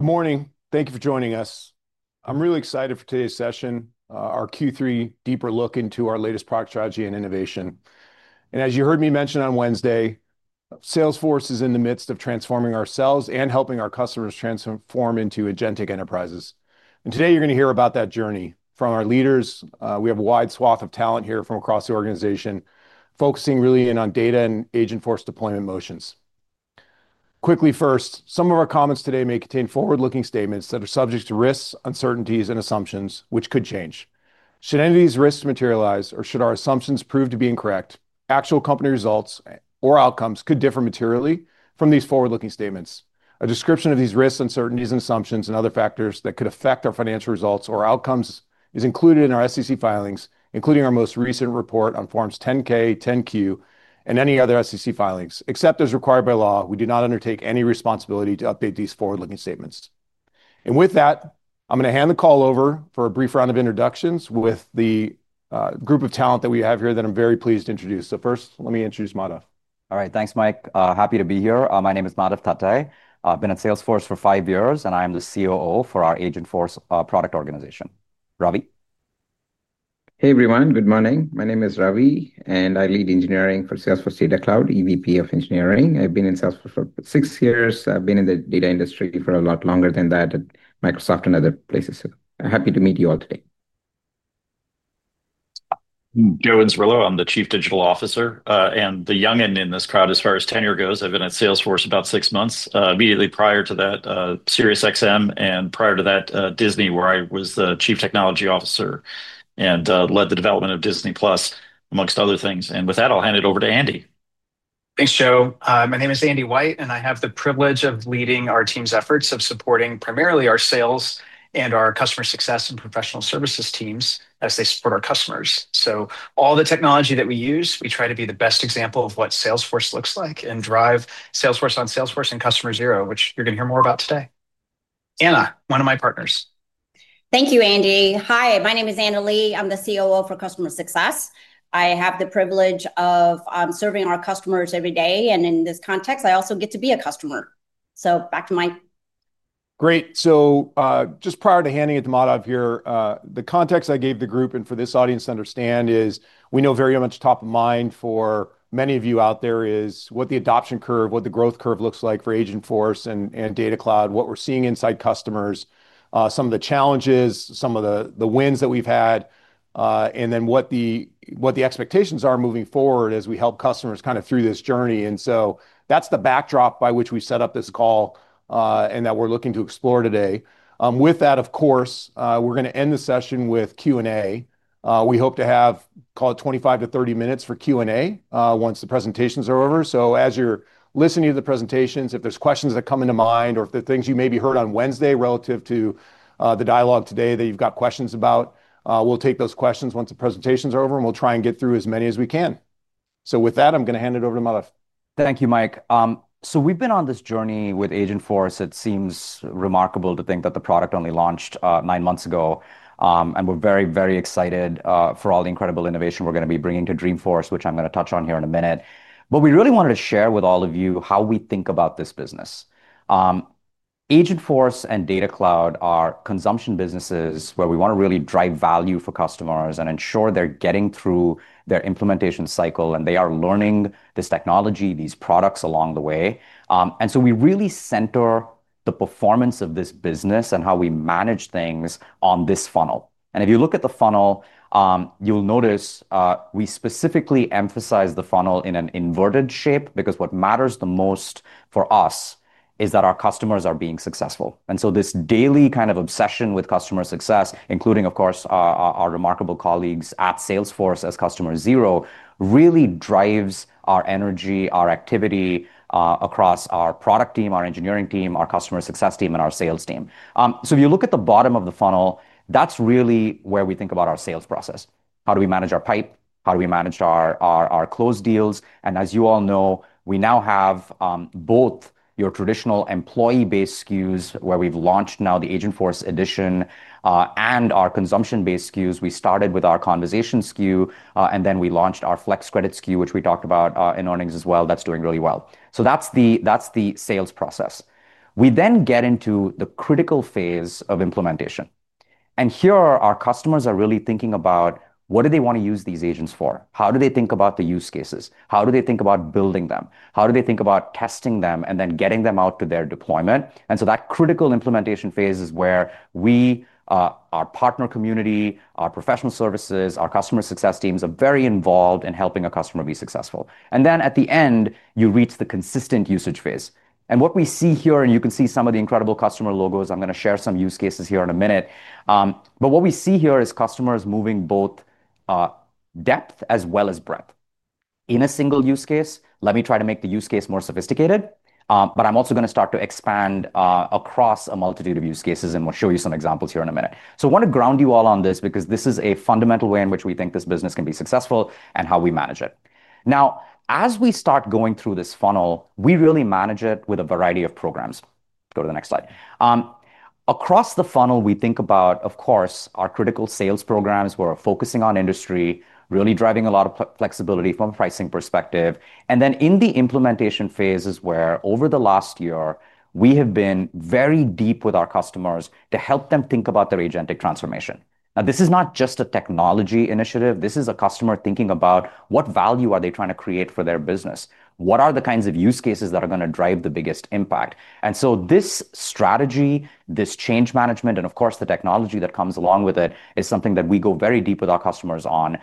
Good morning. Thank you for joining us. I'm really excited for today's session, our Q3 deeper look into our latest product strategy and innovation. As you heard me mention on Wednesday, Salesforce is in the midst of transforming ourselves and helping our customers transform into agentic enterprises. Today you're going to hear about that journey from our leaders. We have a wide swath of talent here from across the organization, focusing really in on data and Agentforce deployment motions. Quickly, first, some of our comments today may contain forward-looking statements that are subject to risks, uncertainties, and assumptions, which could change. Should any of these risks materialize, or should our assumptions prove to be incorrect, actual company results or outcomes could differ materially from these forward-looking statements. A description of these risks, uncertainties, and assumptions, and other factors that could affect our financial results or outcomes is included in our SEC filings, including our most recent report on Forms 10-K, 10-Q, and any other SEC filings. Except as required by law, we do not undertake any responsibility to update these forward-looking statements. With that, I'm going to hand the call over for a brief round of introductions with the group of talent that we have here that I'm very pleased to introduce. First, let me introduce Madhav. All right. Thanks, Mike. Happy to be here. My name is Madhav Thattai. I've been at Salesforce for five years, and I am the COO for our Agentforce Product Organization. Ravee? Hey everyone, good morning. My name is Ravee, and I lead Engineering for Salesforce Data Cloud, EVP of Engineering. I've been in Salesforce for six years. I've been in the data industry for a lot longer than that at Microsoft and other places. Happy to meet you all today. Gavin Patterson, I'm the Chief Digital Officer. The youngin in this crowd, as far as tenure goes, I've been at Salesforce about six months. Immediately prior to that, SiriusX M, and prior to that, Disney, where I was the Chief Technology Officer and led the development of Disney+ amongst other things. With that, I'll hand it over to Andy. Thanks, Joe. My name is Andy White, and I have the privilege of leading our team's efforts of supporting primarily our sales and our customer success and professional services teams as they support our customers. All the technology that we use, we try to be the best example of what Salesforce looks like and drive Salesforce on Salesforce and Customer Zero, which you're going to hear more about today. Anna, one of my partners. Thank you, Andy. Hi, my name is Anna Lee. I'm the COO for Customer Success. I have the privilege of serving our customers every day. In this context, I also get to be a customer. Back to Mike. Great. Just prior to handing it to Madhav here, the context I gave the group and for this audience to understand is we know very much top of mind for many of you out there is what the adoption curve, what the growth curve looks like for Agentforce and Data Cloud, what we're seeing inside customers, some of the challenges, some of the wins that we've had, and what the expectations are moving forward as we help customers kind of through this journey. That's the backdrop by which we set up this call and that we're looking to explore today. Of course, we're going to end the session with Q&A. We hope to have, call it, 25-q 30 minutes for Q&A once the presentations are over. As you're listening to the presentations, if there's questions that come into mind or if there are things you maybe heard on Wednesday relative to the dialogue today that you've got questions about, we'll take those questions once the presentations are over, and we'll try and get through as many as we can. With that, I'm going to hand it over to Madhav. Thank you, Mike. We've been on this journey with Agentforce. It seems remarcable to think that the product only launched nine months ago. We're very, very excited for all the incredible innovation we're going to be bringing to Dreamforce, which I'm going to touch on here in a minute. We really wanted to share with all of you how we think about this business. Agentforce and Data Cloud are consumption businesses where we want to really drive value for customers and ensure they're getting through their implementation cycle, and they are learning this technology, these products along the way. We really center the performance of this business and how we manage things on this funnel. If you look at the funnel, you'll notice we specifically emphasize the funnel in an inverted shape because what matters the most for us is that our customers are being successful. This daily kind of obsession with customer success, including, of course, our remarcable colleagues at Salesforce as Customer Zero, really drives our energy, our activity across our product team, our engineering team, our customer success team, and our sales team. If you look at the bottom of the funnel, that's really where we think about our sales process. How do we manage our pipe? How do we manage our closed deals? As you all know, we now have both your traditional employee-based SKUs, where we've launched now the Agentforce Edition, and our consumption-based SKUs. We started with our conversation SKU, and then we launched our Flex Credit SKU, which we talked about in earnings as well. That's doing really well. That's the sales process. We then get into the critical phase of implementation. Here our customers are really thinking about what do they want to use these agents for? How do they think about the use cases? How do they think about building them? How do they think about testing them and then getting them out to their deployment? That critical implementation phase is where we, our partner community, our professional services, our customer success teams are very involved in helping a customer be successful. At the end, you reach the consistent usage phase. What we see here, and you can see some of the incredible customer logos, I'm going to share some use cases here in a minute. What we see here is customers moving both depth as well as breadth. In a single use case, let me try to make the use case more sophisticated. I'm also going to start to expand across a multitude of use cases, and we'll show you some examples here in a minute. I want to ground you all on this because this is a fundamental way in which we think this business can be successful and how we manage it. As we start going through this funnel, we really manage it with a variety of programs. Go to the next slide. Across the funnel, we think about, of course, our critical sales programs where we're focusing on industry, really driving a lot of flexibility from a pricing perspective. In the implementation phase, over the last year, we have been very deep with our customers to help them think about their agentic transformation. This is not just a technology initiative. This is a customer thinking about what value they are trying to create for their business, what are the kinds of use cases that are going to drive the biggest impact. This strategy, this change management, and of course, the technology that comes along with it is something that we go very deep with our customers on.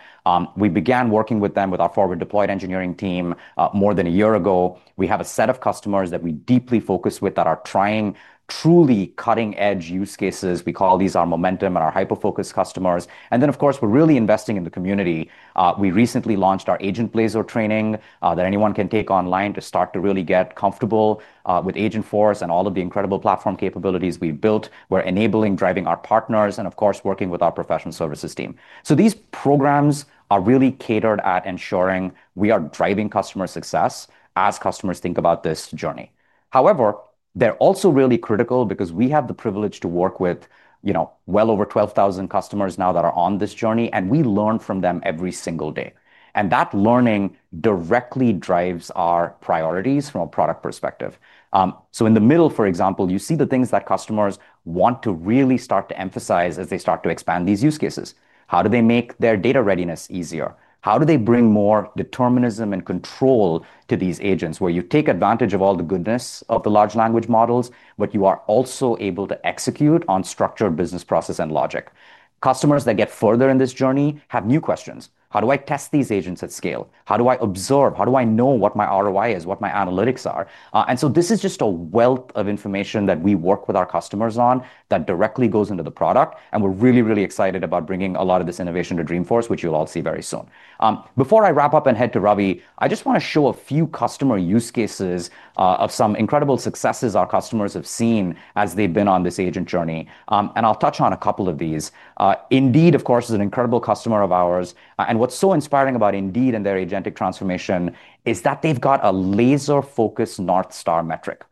We began working with them with our forward deployed engineering team more than a year ago. We have a set of customers that we deeply focus with that are trying truly cutting-edge use cases. We call these our momentum and our hyper-focused customers. Of course, we're really investing in the community. We recently launched our agent plays or training that anyone can take online to start to really get comfortable with Agentforce and all of the incredible platform capabilities we built. We're enabling, driving our partners, and of course, working with our professional services team. These programs are really catered at ensuring we are driving customer success as customers think about this journey. However, they're also really critical because we have the privilege to work with well over 12,000 customers now that are on this journey, and we learn from them every single day. That learning directly drives our priorities from a product perspective. In the middle, for example, you see the things that customers want to really start to emphasize as they start to expand these use cases. How do they make their data readiness easier? How do they bring more determinism and control to these agents where you take advantage of all the goodness of the large language models, but you are also able to execute on structured business process and logic? Customers that get further in this journey have new questions. How do I test these agents at scale? How do I observe? How do I know what my ROI is, what my analytics are? This is just a wealth of information that we work with our customers on that directly goes into the product. We're really, really excited about bringing a lot of this innovation to Dreamforce, which you'll all see very soon. Before I wrap up and head to Ravee, I just want to show a few customer use cases of some incredible successes our customers have seen as they've been on this agent journey. I'll touch on a couple of these. Indeed, of course, is an incredible customer of ours. What's so inspiring about Indeed and their agentic transformation is that they've got a laser-focused North Star metric.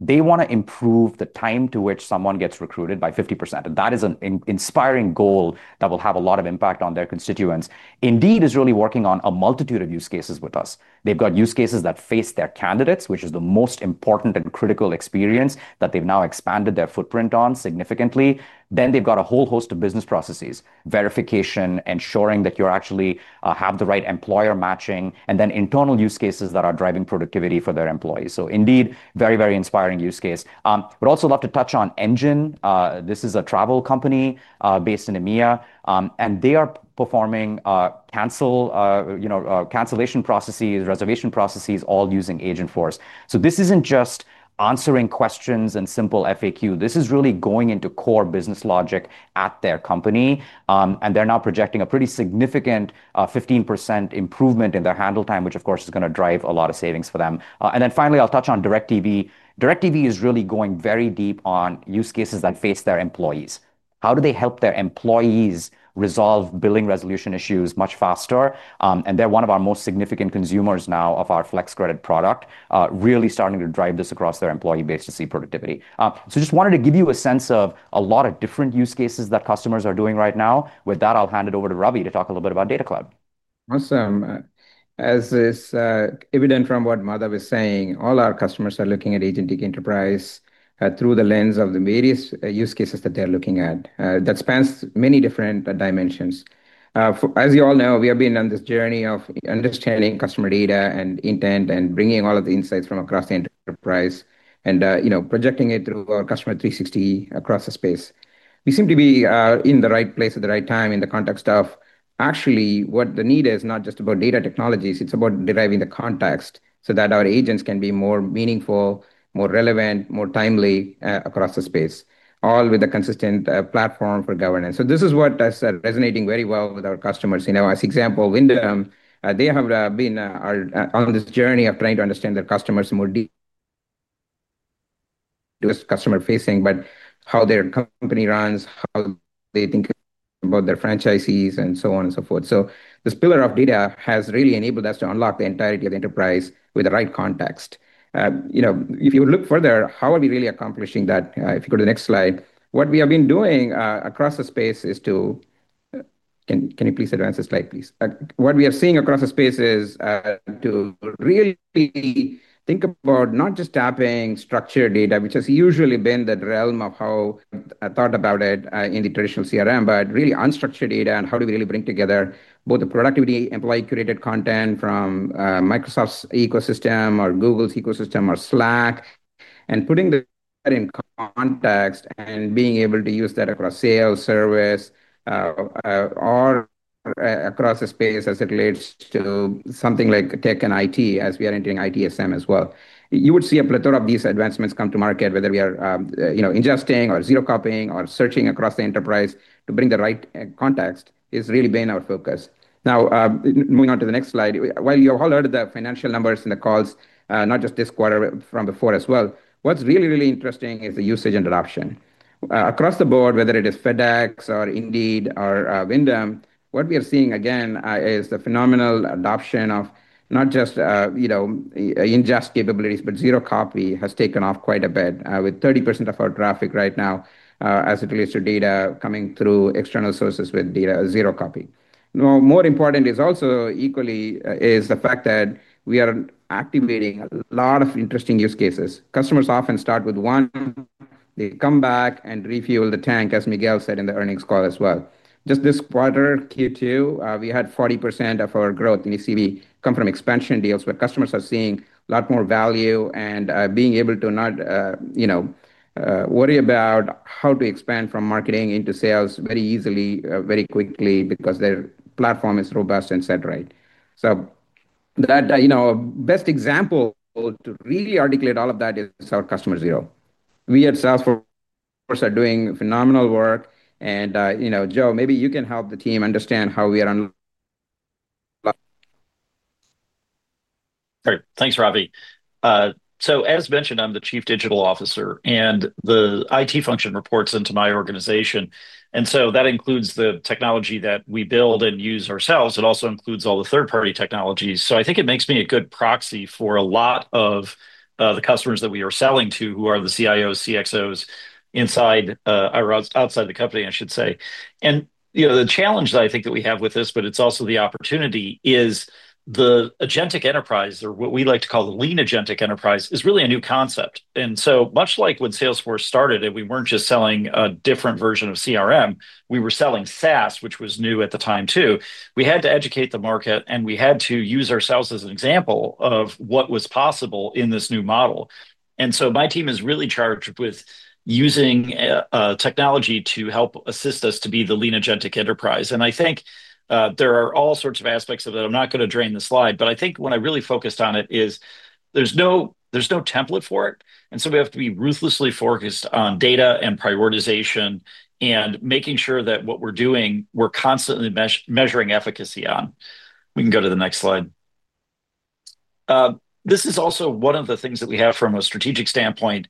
They want to improve the time to which someone gets recruited by 50%. That is an inspiring goal that will have a lot of impact on their constituents. Indeed is really working on a multitude of use cases with us. They've got use cases that face their candidates, which is the most important and critical experience that they've now expanded their footprint on significantly. They've got a whole host of business processes, verification, ensuring that you actually have the right employer matching, and internal use cases that are driving productivity for their employees. Indeed, very, very inspiring use case. We'd also love to touch on Engine. This is a travel company based in EMEA. They are performing cancellation processes, reservation processes, all using Agentforce. This isn't just answering questions and simple FAQ. This is really going into core business logic at their company. They're now projecting a pretty significant 15% improvement in their handle time, which, of course, is going to drive a lot of savings for them. Finally, I'll touch on DirecTV. DirecTV is really going very deep on use cases that face their employees. How do they help their employees resolve billing resolution issues much faster? They're one of our most significant consumers now of our Flex Credit SKU, really starting to drive this across their employee base to see productivity. Just wanted to give you a sense of a lot of different use cases that customers are doing right now. With that, I'll hand it over to Ravee to talk a little bit about Data Cloud. Awesome. As is evident from what Madhav Tatay is saying, all our customers are looking at agentic enterprise through the lens of the various use cases that they're looking at that spans many different dimensions. As you all know, we have been on this journey of understanding customer data and intent and bringing all of the insights from across the enterprise and projecting it through a customer 360 across the space. We seem to be in the right place at the right time in the context of actually what the need is, not just about data technologies. It's about deriving the context so that our agents can be more meaningful, more relevant, more timely across the space, all with a consistent platform for governance. This is what is resonating very well with our customers. As an example, Wyndham, they have been on this journey of trying to understand their customers more deeply. Customer-facing, but how their company runs, how they think about their franchisees, and so on and so forth. This pillar of data has really enabled us to unlock the entirety of the enterprise with the right context. If you look further, how are we really accomplishing that? If you go to the next slide, what we have been doing across the space is to—can you please advance the slide, please? What we are seeing across the space is to really think about not just tapping structured data, which has usually been the realm of how I thought about it in the traditional CRM, but really unstructured data and how do we really bring together both the productivity, employee-curated content from Microsoft's ecosystem or Google's ecosystem or Slack, and putting that in context and being able to use that across sales, service, or across the space as it relates to something like tech and IT as we are entering ITSM as well. You would see a plethora of these advancements come to Marcet, whether we are ingesting or zero-copying or searching across the enterprise to bring the right context has really been our focus. Now, moving on to the next slide, while you have all heard the financial numbers in the calls, not just this quarter, but from before as well, what's really, really interesting is the usage and adoption. Across the board, whether it is FedEx or Indeed or Wyndham, what we are seeing again is the phenomenal adoption of not just ingest capabilities, but zero-copy has taken off quite a bit with 30% of our traffic right now as it relates to data coming through external sources with data zero-copy. Now, more important is also equally the fact that we are activating a lot of interesting use cases. Customers often start with one. They come back and refuel the tank, as Miguel said in the earnings call as well. Just this quarter, Q2, we had 40% of our growth, and you see we come from expansion deals where customers are seeing a lot more value and being able to not worry about how to expand from Marceting into sales very easily, very quickly because their platform is robust and set right. The best example to really articulate all of that is our Customer Zero. We at Salesforce are doing phenomenal work. Joe, maybe you can help the team understand how we are unlocking. Thanks, Ravee. As mentioned, I'm the Chief Digital Officer, and the IT function reports into my organization. That includes the technology that we build and use ourselves. It also includes all the third-party technologies. I think it makes me a good proxy for a lot of the customers that we are selling to who are the CIOs, CXOs inside or outside the company, I should say. The challenge that I think that we have with this, but it's also the opportunity, is the agentic enterprise or what we like to call the lean agentic enterprise is really a new concept. Much like when Salesforce started and we weren't just selling a different version of CRM, we were selling SaaS, which was new at the time too. We had to educate the Marcet, and we had to use ourselves as an example of what was possible in this new model. My team is really charged with using technology to help assist us to be the lean agentic enterprise. I think there are all sorts of aspects of that. I'm not going to drain the slide, but I think when I really focused on it is there's no template for it. We have to be ruthlessly focused on data and prioritization and making sure that what we're doing, we're constantly measuring efficacy on. We can go to the next slide. This is also one of the things that we have from a strategic standpoint,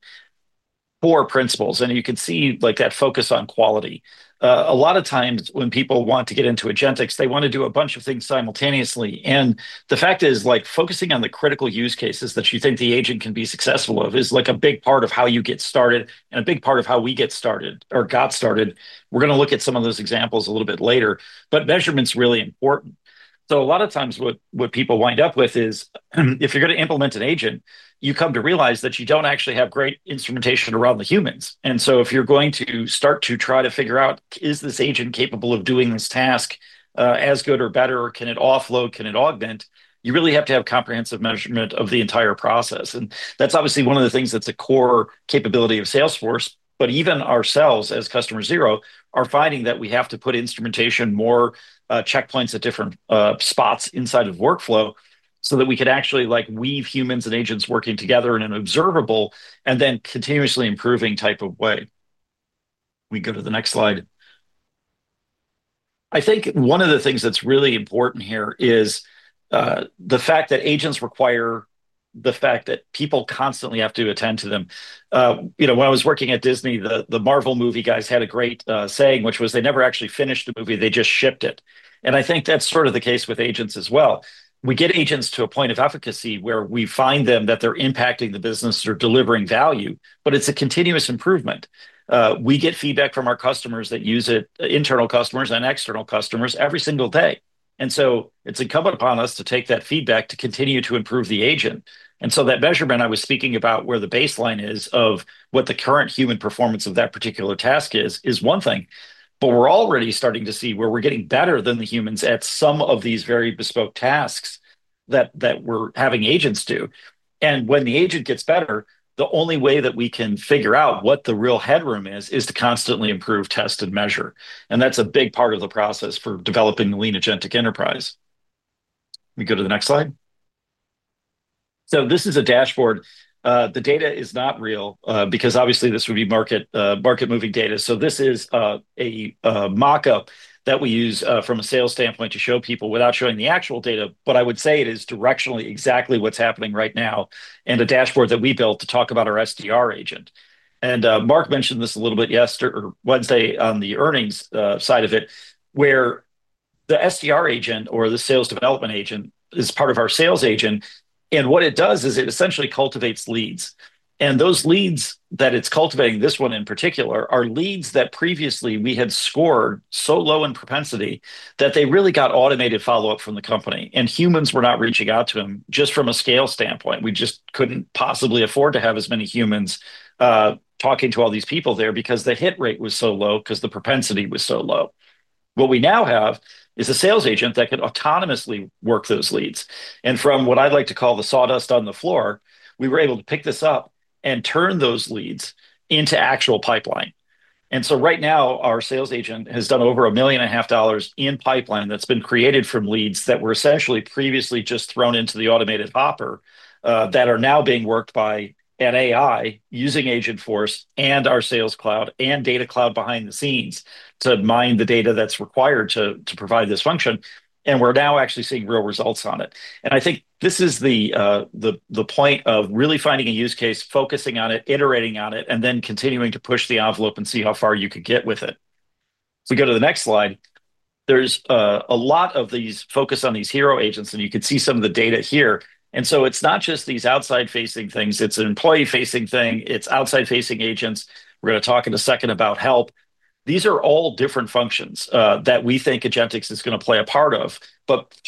core principles. You can see that focus on quality. A lot of times when people want to get into agentics, they want to do a bunch of things simultaneously. The fact is, focusing on the critical use cases that you think the agent can be successful of is like a big part of how you get started and a big part of how we get started or got started. We're going to look at some of those examples a little bit later. Measurement is really important. A lot of times what people wind up with is if you're going to implement an agent, you come to realize that you don't actually have great instrumentation around the humans. If you're going to start to try to figure out, is this agent capable of doing this task as good or better, or can it offload, can it augment? You really have to have comprehensive measurement of the entire process. That's obviously one of the things that's a core capability of Salesforce. Even ourselves as Customer Zero are finding that we have to put instrumentation, more checkpoints at different spots inside of workflow so that we could actually weave humans and agents working together in an observable and then continuously improving type of way. We can go to the next slide. One of the things that's really important here is the fact that agents require the fact that people constantly have to attend to them. When I was working at Disney, the Marvel movie guys had a great saying, which was they never actually finished the movie. They just shipped it. I think that's sort of the case with agents as well. We get agents to a point of efficacy where we find them that they're impacting the business or delivering value, but it's a continuous improvement. We get feedback from our customers that use it, internal customers and external customers, every single day. It's incumbent upon us to take that feedback to continue to improve the agent. That measurement I was speaking about, where the baseline is of what the current human performance of that particular task is, is one thing. We're already starting to see where we're getting better than the humans at some of these very bespoke tasks that we're having agents do. When the agent gets better, the only way that we can figure out what the real headroom is, is to constantly improve, test, and measure. That's a big part of the process for developing the lean agentic enterprise. We go to the next slide. This is a dashboard. The data is not real because obviously this would be Marcet-moving data. This is a mockup that we use from a sales standpoint to show people without showing the actual data. I would say it is directionally exactly what's happening right now and a dashboard that we built to talk about our SDR agent. Marc mentioned this a little bit yesterday or Wednesday on the earnings side of it, where the SDR agent or the sales development agent is part of our sales agent. What it does is it essentially cultivates leads. Those leads that it's cultivating, this one in particular, are leads that previously we had scored so low in propensity that they really got automated follow-up from the company. Humans were not reaching out to them just from a scale standpoint. We just couldn't possibly afford to have as many humans talking to all these people there because the hit rate was so low because the propensity was so low. What we now have is a sales agent that could autonomously work those leads. From what I'd like to call the sawdust on the floor, we were able to pick this up and turn those leads into actual pipeline. Right now, our sales agent has done over $1.5 million in pipeline that's been created from leads that were essentially previously just thrown into the automated bopper that are now being worked by an AI using Agentforce and our Sales Cloud and Data Cloud behind the scenes to mine the data that's required to provide this function. We're now actually seeing real results on it. I think this is the point of really finding a use case, focusing on it, iterating on it, and then continuing to push the envelope and see how far you could get with it. If we go to the next slide, there's a lot of these focused on these hero agents, and you can see some of the data here. It's not just these outside-facing things. It's an employee-facing thing. It's outside-facing agents. We're going to talk in a second about help. These are all different functions that we think agentics is going to play a part of.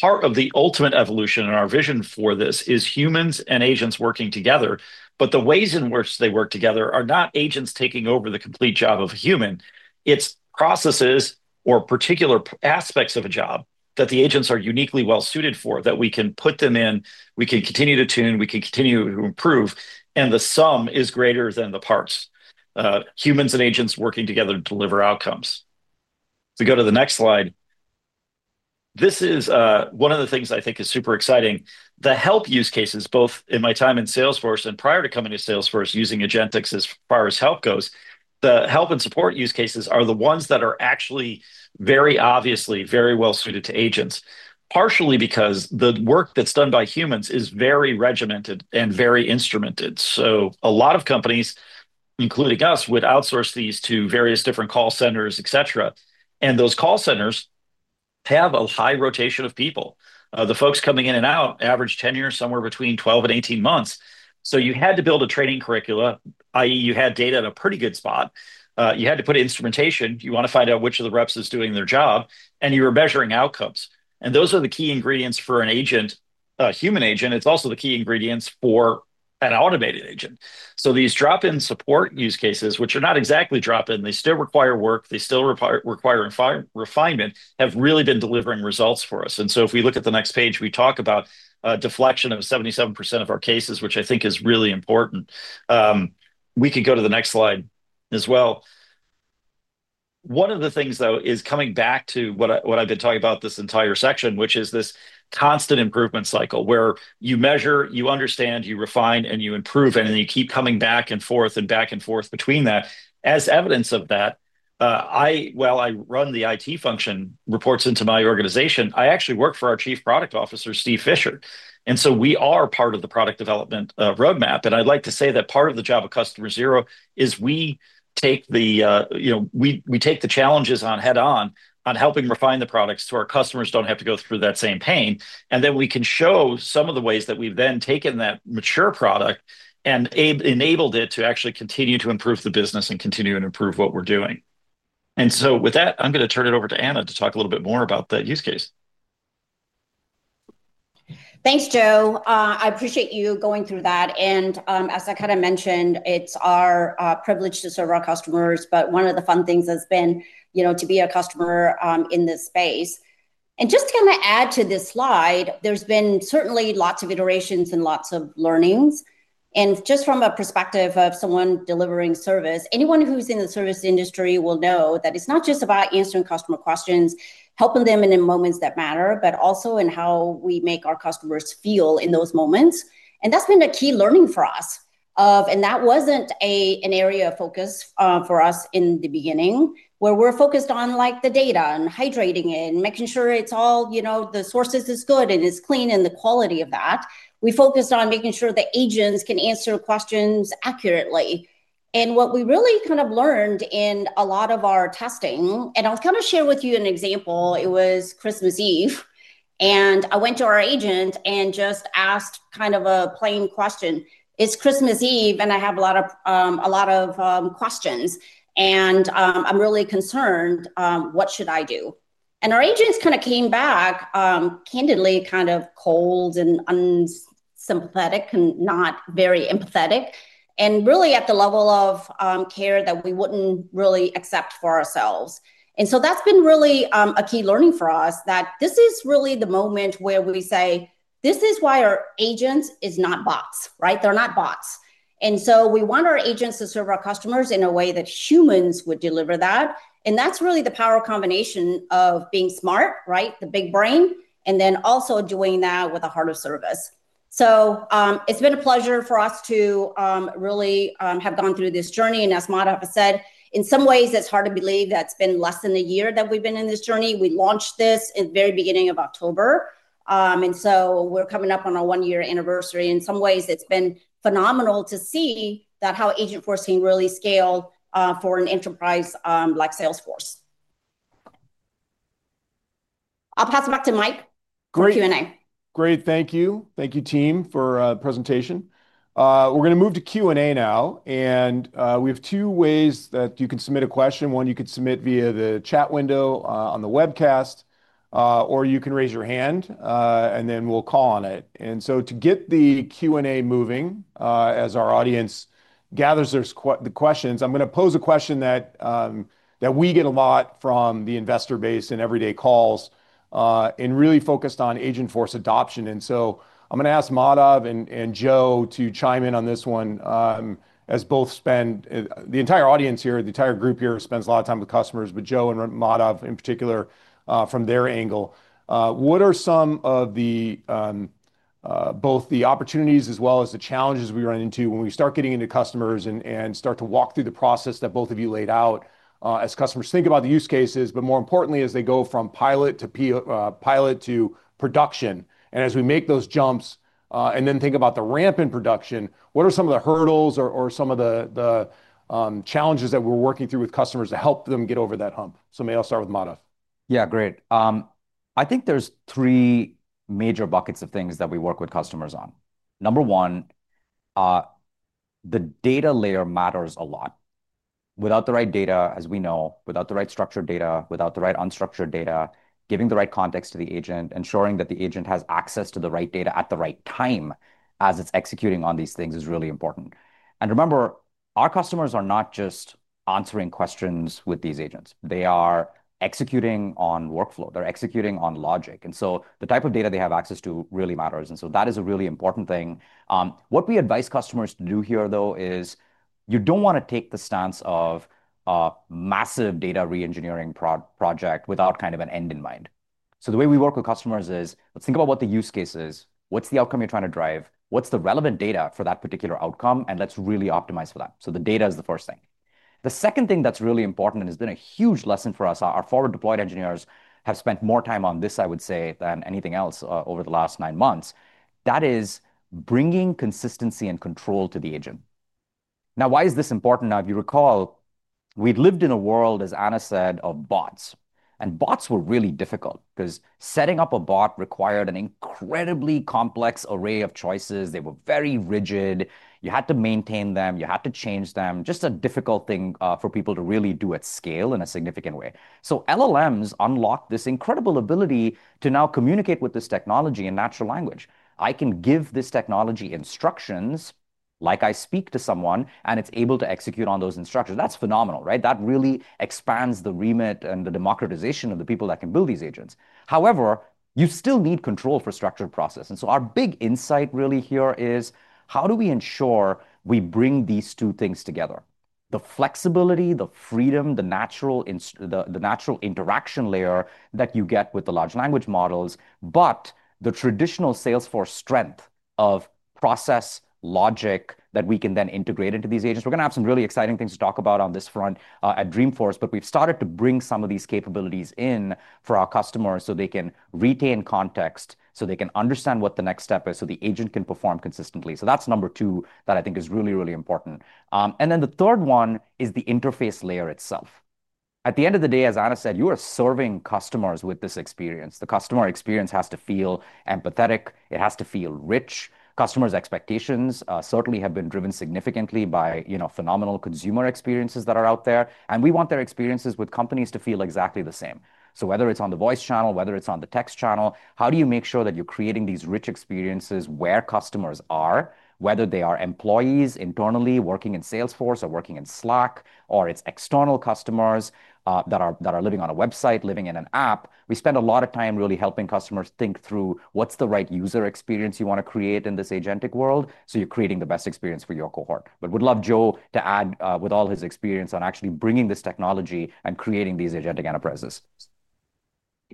Part of the ultimate evolution in our vision for this is humans and agents working together. The ways in which they work together are not agents taking over the complete job of a human. It's processes or particular aspects of a job that the agents are uniquely well-suited for that we can put them in. We can continue to tune. We can continue to improve. The sum is greater than the parts. Humans and agents working together to deliver outcomes. If we go to the next slide, this is one of the things I think is super exciting. The help use cases, both in my time in Salesforce and prior to coming to Salesforce using agentics as far as help goes, the help and support use cases are the ones that are actually very obviously very well-suited to agents, partially because the work that's done by humans is very regimented and very instrumented. A lot of companies, including us, would outsource these to various different call centers, etc. Those call centers have a high rotation of people. The folks coming in and out average tenure somewhere between 12 months and 18 months. You had to build a training curricula, i.e., you had data in a pretty good spot. You had to put instrumentation. You want to find out which of the reps is doing their job. You were measuring outcomes. Those are the key ingredients for an agent, a human agent. It's also the key ingredients for an automated agent. These drop-in support use cases, which are not exactly drop-in, still require work and refinement, have really been delivering results for us. If we look at the next page, we talk about a deflection of 77% of our cases, which I think is really important. We could go to the next slide as well. One of the things, though, is coming back to what I've been talking about this entire section, which is this constant improvement cycle where you measure, you understand, you refine, and you improve, and then you keep coming back and forth between that. As evidence of that, while I run the IT function, which reports into my organization, I actually work for our Chief Product Officer, Steve Fisher. We are part of the product development roadmap. Part of the job of Customer Zero is we take the challenges on head-on, helping refine the products so our customers don't have to go through that same pain. We can show some of the ways that we've then taken that mature product and enabled it to actually continue to improve the business and continue to improve what we're doing. With that, I'm going to turn it over to Anna to talk a little bit more about the use case. Thanks, Joe. I appreciate you going through that. As I kind of mentioned, it's our privilege to serve our customers. One of the fun things has been to be a customer in this space. Just to kind of add to this slide, there's been certainly lots of iterations and lots of learnings. From a perspective of someone delivering service, anyone who's in the service industry will know that it's not just about answering customer questions, helping them in the moments that matter, but also in how we make our customers feel in those moments. That's been a key learning for us. That wasn't an area of focus for us in the beginning, where we were focused on the data and hydrating it and making sure it's all, you know, the sources are good and it's clean and the quality of that. We focused on making sure the agents can answer questions accurately. What we really kind of learned in a lot of our testing, and I'll kind of share with you an example. It was Christmas Eve. I went to our agent and just asked kind of a plain question. It's Christmas Eve, and I have a lot of questions. I'm really concerned. What should I do? Our agents kind of came back candidly, kind of cold and unsympathetic and not very empathetic, and really at the level of care that we wouldn't really accept for ourselves. That's been really a key learning for us that this is really the moment where we say, this is why our agent is not bots, right? They're not bots. We want our agents to serve our customers in a way that humans would deliver that. That's really the power combination of being smart, right? The big brain, and then also doing that with a heart of service. It's been a pleasure for us to really have gone through this journey. As Madhav has said, in some ways, it's hard to believe that it's been less than a year that we've been in this journey. We launched this at the very beginning of October. We're coming up on our one-year anniversary. In some ways, it's been phenomenal to see how Agentforce can really scale for an enterprise like Salesforce. I'll pass it back to Mike for Q&A. Great. Thank you. Thank you, team, for the presentation. We're going to move to Q&A now. We have two ways that you can submit a question. One, you could submit via the chat window on the webcast, or you can raise your hand, and then we'll call on it. To get the Q&A moving as our audience gathers the questions, I'm going to pose a question that we get a lot from the investor base in everyday calls and really focused on Agentforce adoption. I'm going to ask Madhav and Joe to chime in on this one as both spend the entire audience here, the entire group here spends a lot of time with customers, but Joe and Madhav in particular from their angle. What are some of both the opportunities as well as the challenges we run into when we start getting into customers and start to walk through the process that both of you laid out as customers think about the use cases, but more importantly, as they go from pilot to pilot to production? As we make those jumps and then think about the ramp in production, what are some of the hurdles or some of the challenges that we're working through with customers to help them get over that hump? Maybe I'll start with Madhav. Yeah, great. I think there's three major buckets of things that we work with customers on. Number one, the data layer matters a lot. Without the right data, as we know, without the right structured data, without the right unstructured data, giving the right context to the agent, ensuring that the agent has access to the right data at the right time as it's executing on these things is really important. Remember, our customers are not just answering questions with these agents. They are executing on workflow. They're executing on logic, and the type of data they have access to really matters. That is a really important thing. What we advise customers to do here, though, is you don't want to take the stance of a massive data re-engineering project without kind of an end in mind. The way we work with customers is think about what the use case is, what's the outcome you're trying to drive, what's the relevant data for that particular outcome, and let's really optimize for that. The data is the first thing. The second thing that's really important and has been a huge lesson for us, our forward deployed engineers have spent more time on this, I would say, than anything else over the last nine months. That is bringing consistency and control to the agent. Why is this important? If you recall, we lived in a world, as Anna said, of bots. Bots were really difficult because setting up a bot required an incredibly complex array of choices. They were very rigid. You had to maintain them. You had to change them. Just a difficult thing for people to really do at scale in a significant way. LLMs unlock this incredible ability to now communicate with this technology in natural language. I can give this technology instructions like I speak to someone, and it's able to execute on those instructions. That's phenomenal, right? That really expands the remit and the democratization of the people that can build these agents. However, you still need control for structured process. Our big insight really here is how do we ensure we bring these two things together: the flexibility, the freedom, the natural interaction layer that you get with the large language models, but the traditional Salesforce strength of process logic that we can then integrate into these agents. We're going to have some really exciting things to talk about on this front at Dreamforce, but we've started to bring some of these capabilities in for our customers so they can retain context, so they can understand what the next step is, so the agent can perform consistently. That's number two that I think is really, really important. The third one is the interface layer itself. At the end of the day, as Anna said, you are serving customers with this experience. The customer experience has to feel empathetic. It has to feel rich. Customers' expectations certainly have been driven significantly by phenomenal consumer experiences that are out there. We want their experiences with companies to feel exactly the same. Whether it's on the voice channel, whether it's on the text channel, how do you make sure that you're creating these rich experiences where customers are, whether they are employees internally working in Salesforce or working in Slack, or it's external customers that are living on a website, living in an app? We spend a lot of time really helping customers think through what's the right user experience you want to create in this agentic world so you're creating the best experience for your cohort. Would love Joe to add with all his experience on actually bringing this technology and creating these agentic enterprises.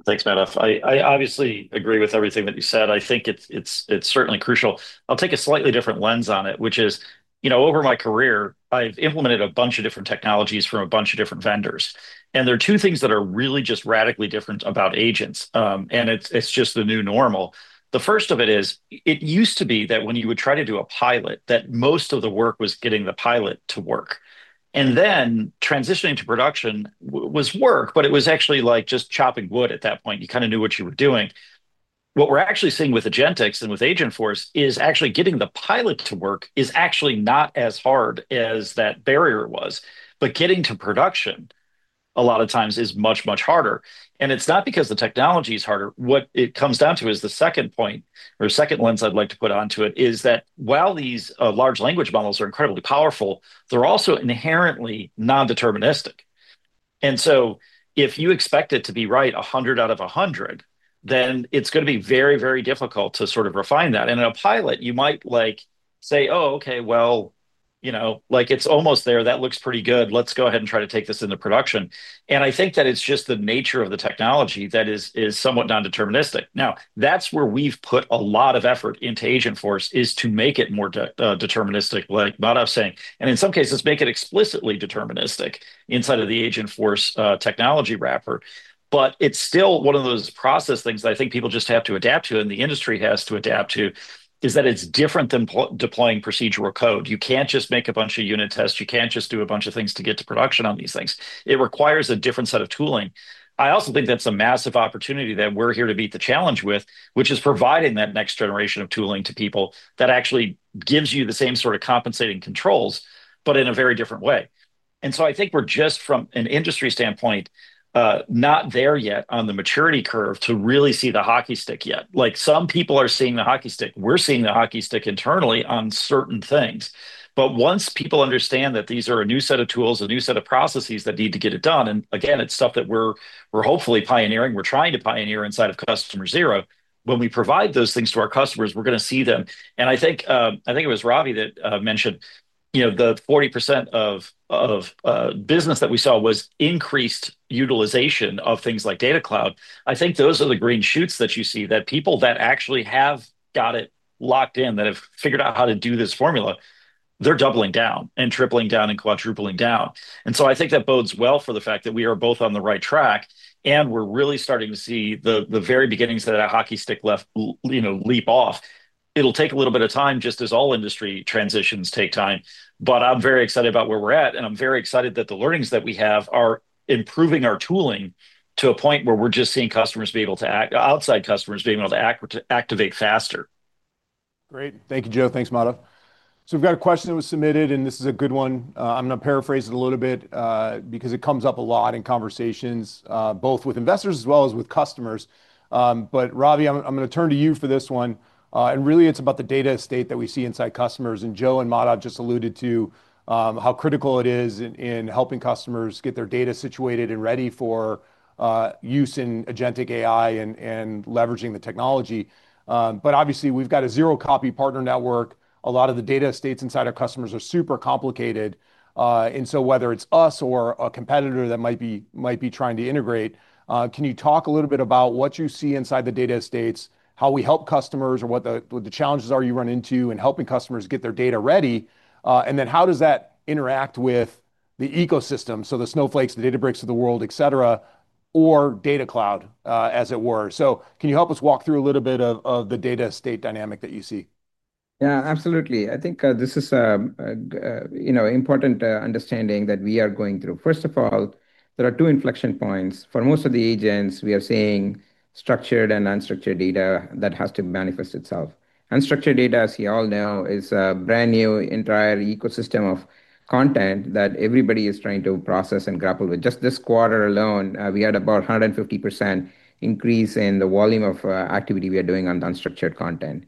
Thanks, Madhav. I obviously agree with everything that you said. I think it's certainly crucial. I'll take a slightly different lens on it, which is, over my career, I've implemented a bunch of different technologies from a bunch of different vendors. There are two things that are really just radically different about agents, and it's just the new normal. The first of it is it used to be that when you would try to do a pilot, most of the work was getting the pilot to work. Then transitioning to production was work, but it was actually like just chopping wood at that point. You kind of knew what you were doing. What we're actually seeing with agentics and with Agentforce is actually getting the pilot to work is actually not as hard as that barrier was. Getting to production a lot of times is much, much harder. It's not because the technology is harder. What it comes down to is the second point or second lens I'd like to put onto it is that while these large language models are incredibly powerful, they're also inherently non-deterministic. If you expect it to be right 100 out of 100, then it's going to be very, very difficult to sort of refine that. In a pilot, you might say, oh, OK, it's almost there. That looks pretty good. Let's go ahead and try to take this into production. I think that it's just the nature of the technology that is somewhat non-deterministic. That's where we've put a lot of effort into Agentforce is to make it more deterministic, like Madhav's saying. In some cases, make it explicitly deterministic inside of the Agentforce technology wrapper. It's still one of those process things that I think people just have to adapt to and the industry has to adapt to is that it's different than deploying procedural code. You can't just make a bunch of unit tests. You can't just do a bunch of things to get to production on these things. It requires a different set of tooling. I also think that's a massive opportunity that we're here to meet the challenge with, which is providing that next generation of tooling to people that actually gives you the same sort of compensating controls, but in a very different way. I think we're just, from an industry standpoint, not there yet on the maturity curve to really see the hockey stick yet. Some people are seeing the hockey stick. We're seeing the hockey stick internally on certain things. Once people understand that these are a new set of tools, a new set of processes that need to get it done, and again, it's stuff that we're hopefully pioneering, we're trying to pioneer inside of Customer Zero. When we provide those things to our customers, we're going to see them. I think it was Ravee that mentioned, you know, the 40% of business that we saw was increased utilization of things like Data Cloud. I think those are the green shoots that you see, that people that actually have got it locked in, that have figured out how to do this formula, they're doubling down and tripling down and quadrupling down. I think that bodes well for the fact that we are both on the right track and we're really starting to see the very beginnings that a hockey stick left, you know, leap off. It'll take a little bit of time, just as all industry transitions take time. I'm very excited about where we're at, and I'm very excited that the learnings that we have are improving our tooling to a point where we're just seeing customers be able to act, outside customers being able to activate faster. Great. Thank you, Joe. Thanks, Madhav. We've got a question that was submitted, and this is a good one. I'm going to paraphrase it a little bit because it comes up a lot in conversations, both with investors as well as with customers. Ravee, I'm going to turn to you for this one. It's about the data estate that we see inside customers. Joe and Madhav just alluded to how critical it is in helping customers get their data situated and ready for use in agentic AI and leveraging the technology. Obviously, we've got a zero-copy partner network. A lot of the data estates inside our customers are super complicated. Whether it's us or a competitor that might be trying to integrate, can you talk a little bit about what you see inside the data estates, how we help customers, or what the challenges are you run into in helping customers get their data ready? How does that interact with the ecosystem? The Snowflakes, the Databricks of the world, etc., or Data Cloud, as it were. Can you help us walk through a little bit of the data estate dynamic that you see? Yeah, absolutely. I think this is an important understanding that we are going through. First of all, there are two inflection points. For most of the agents, we are seeing structured and unstructured data that has to manifest itself. Unstructured data, as you all know, is a brand new entire ecosystem of content that everybody is trying to process and grapple with. Just this quarter alone, we had about a 150% increase in the volume of activity we are doing on the unstructured content.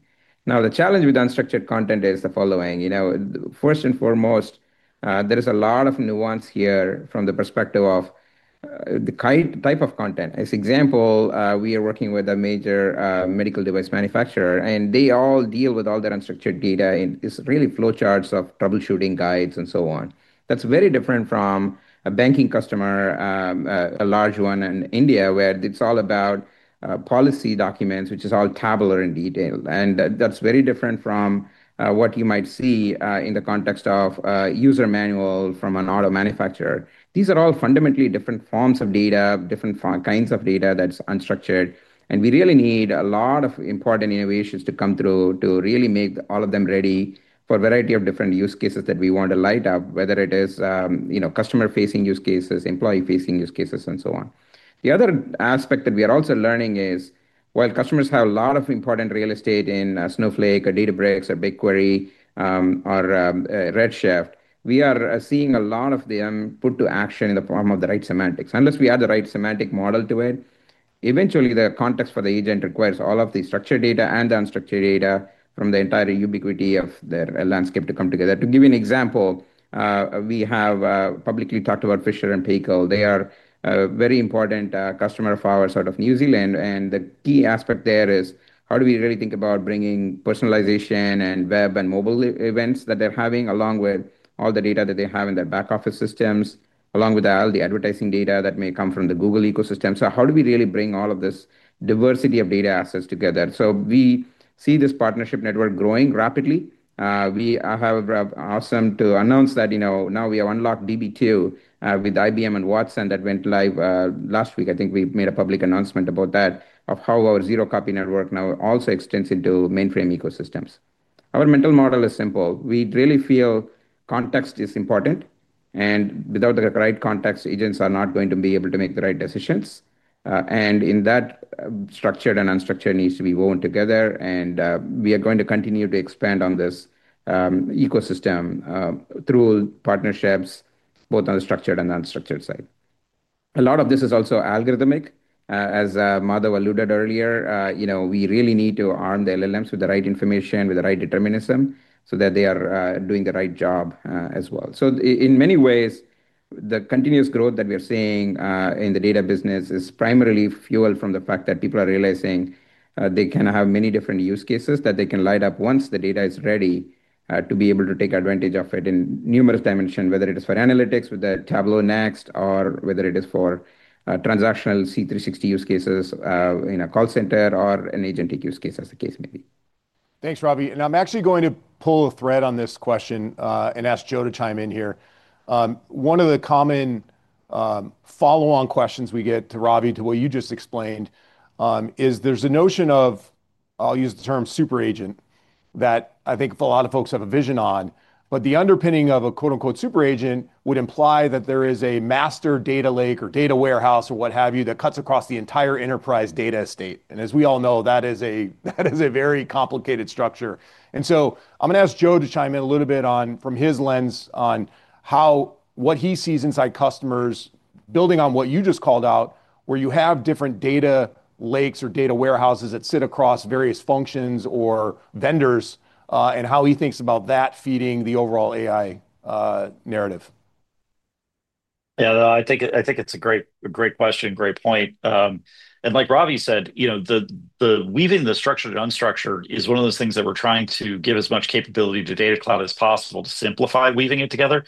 Now, the challenge with unstructured content is the following. First and foremost, there is a lot of nuance here from the perspective of the type of content. As an example, we are working with a major medical device manufacturer, and they all deal with all their unstructured data in really flow charts of troubleshooting guides and so on. That is very different from a banking customer, a large one in India, where it is all about policy documents, which is all tabular and detailed. That is very different from what you might see in the context of a user manual from an auto manufacturer. These are all fundamentally different forms of data, different kinds of data that is unstructured. We really need a lot of important innovations to come through to really make all of them ready for a variety of different use cases that we want to light up, whether it is customer-facing use cases, employee-facing use cases, and so on. The other aspect that we are also learning is, while customers have a lot of important real estate in a Snowflake, a Databricks, a BigQuery, or Redshift, we are seeing a lot of them put to action in the form of the right semantics. Unless we add the right semantic model to it, eventually, the context for the agent requires all of the structured data and the unstructured data from the entire ubiquity of their landscape to come together. To give you an example, we have publicly talked about Fisher & Paykel. They are a very important customer of ours out of New Zealand. The key aspect there is how do we really think about bringing personalization and web and mobile events that they are having along with all the data that they have in their back office systems, along with all the advertising data that may come from the Google ecosystem. How do we really bring all of this diversity of data assets together? We see this partnership network growing rapidly. We have asked them to announce that now we have unlocked DB2 with IBM and Watson that went live last week. I think we made a public announcement about that, of how our zero-copy partner network now also extends into mainframe ecosystems. Our mental model is simple. We really feel context is important. Without the right context, agents are not going to be able to make the right decisions. In that, structured and unstructured needs to be woven together. We are going to continue to expand on this ecosystem through partnerships, both on the structured and the unstructured side. A lot of this is also algorithmic. As Madhav alluded earlier, we really need to arm the large language model-driven agents with the right information, with the right determinism, so that they are doing the right job as well. In many ways, the continuous growth that we are seeing in the data business is primarily fueled from the fact that people are realizing they can have many different use cases that they can light up once the data is ready to be able to take advantage of it in numerous dimensions, whether it is for analytics with Tableau Next or whether it is for transactional C360 use cases in a call center or an agentic use case, as the case may be. Thanks, Ravee. Now, I'm actually going to pull a thread on this question and ask Joe to chime in here. One of the common follow-on questions we get to Ravee, to what you just explained, is there's a notion of, I'll use the term super agent, that I think a lot of folks have a vision on. The underpinning of a quote unquote super agent would imply that there is a master data lake or data warehouse or what have you that cuts across the entire enterprise data estate. As we all know, that is a very complicated structure. I'm going to ask Joe to chime in a little bit from his lens on what he sees inside customers, building on what you just called out, where you have different data lakes or data warehouses that sit across various functions or vendors and how he thinks about that feeding the overall AI narrative. Yeah, I think it's a great question, great point. Like Ravee said, weaving the structured and unstructured is one of those things that we're trying to give as much capability to Data Cloud as possible to simplify weaving it together.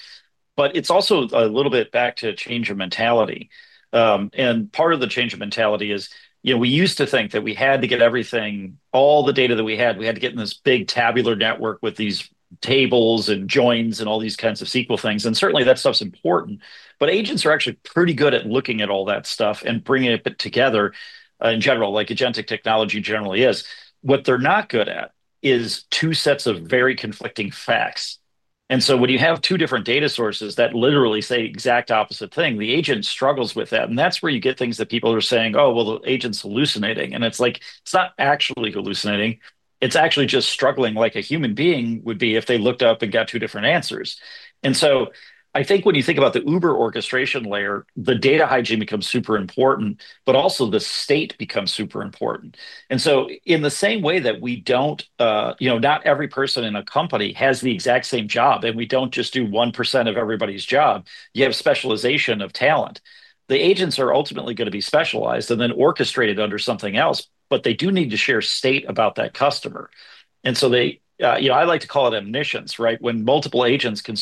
It's also a little bit back to a change of mentality. Part of the change of mentality is we used to think that we had to get everything, all the data that we had, we had to get in this big tabular network with these tables and joins and all these kinds of SQL things. Certainly, that stuff's important. Agents are actually pretty good at looking at all that stuff and bringing it together in general, like agentic technology generally is. What they're not good at is two sets of very conflicting facts. When you have two different data sources that literally say the exact opposite thing, the agent struggles with that. That's where you get things that people are saying, oh, well, the agent's hallucinating. It's not actually hallucinating. It's actually just struggling like a human being would be if they looked up and got two different answers. I think when you think about the uber orchestration layer, the data hygiene becomes super important, but also the state becomes super important. In the same way that we don't, you know, not every person in a company has the exact same job, and we don't just do 1% of everybody's job, you have specialization of talent. The agents are ultimately going to be specialized and then orchestrated under something else, but they do need to share state about that customer. I like to call it omniscience, right? When multiple agents can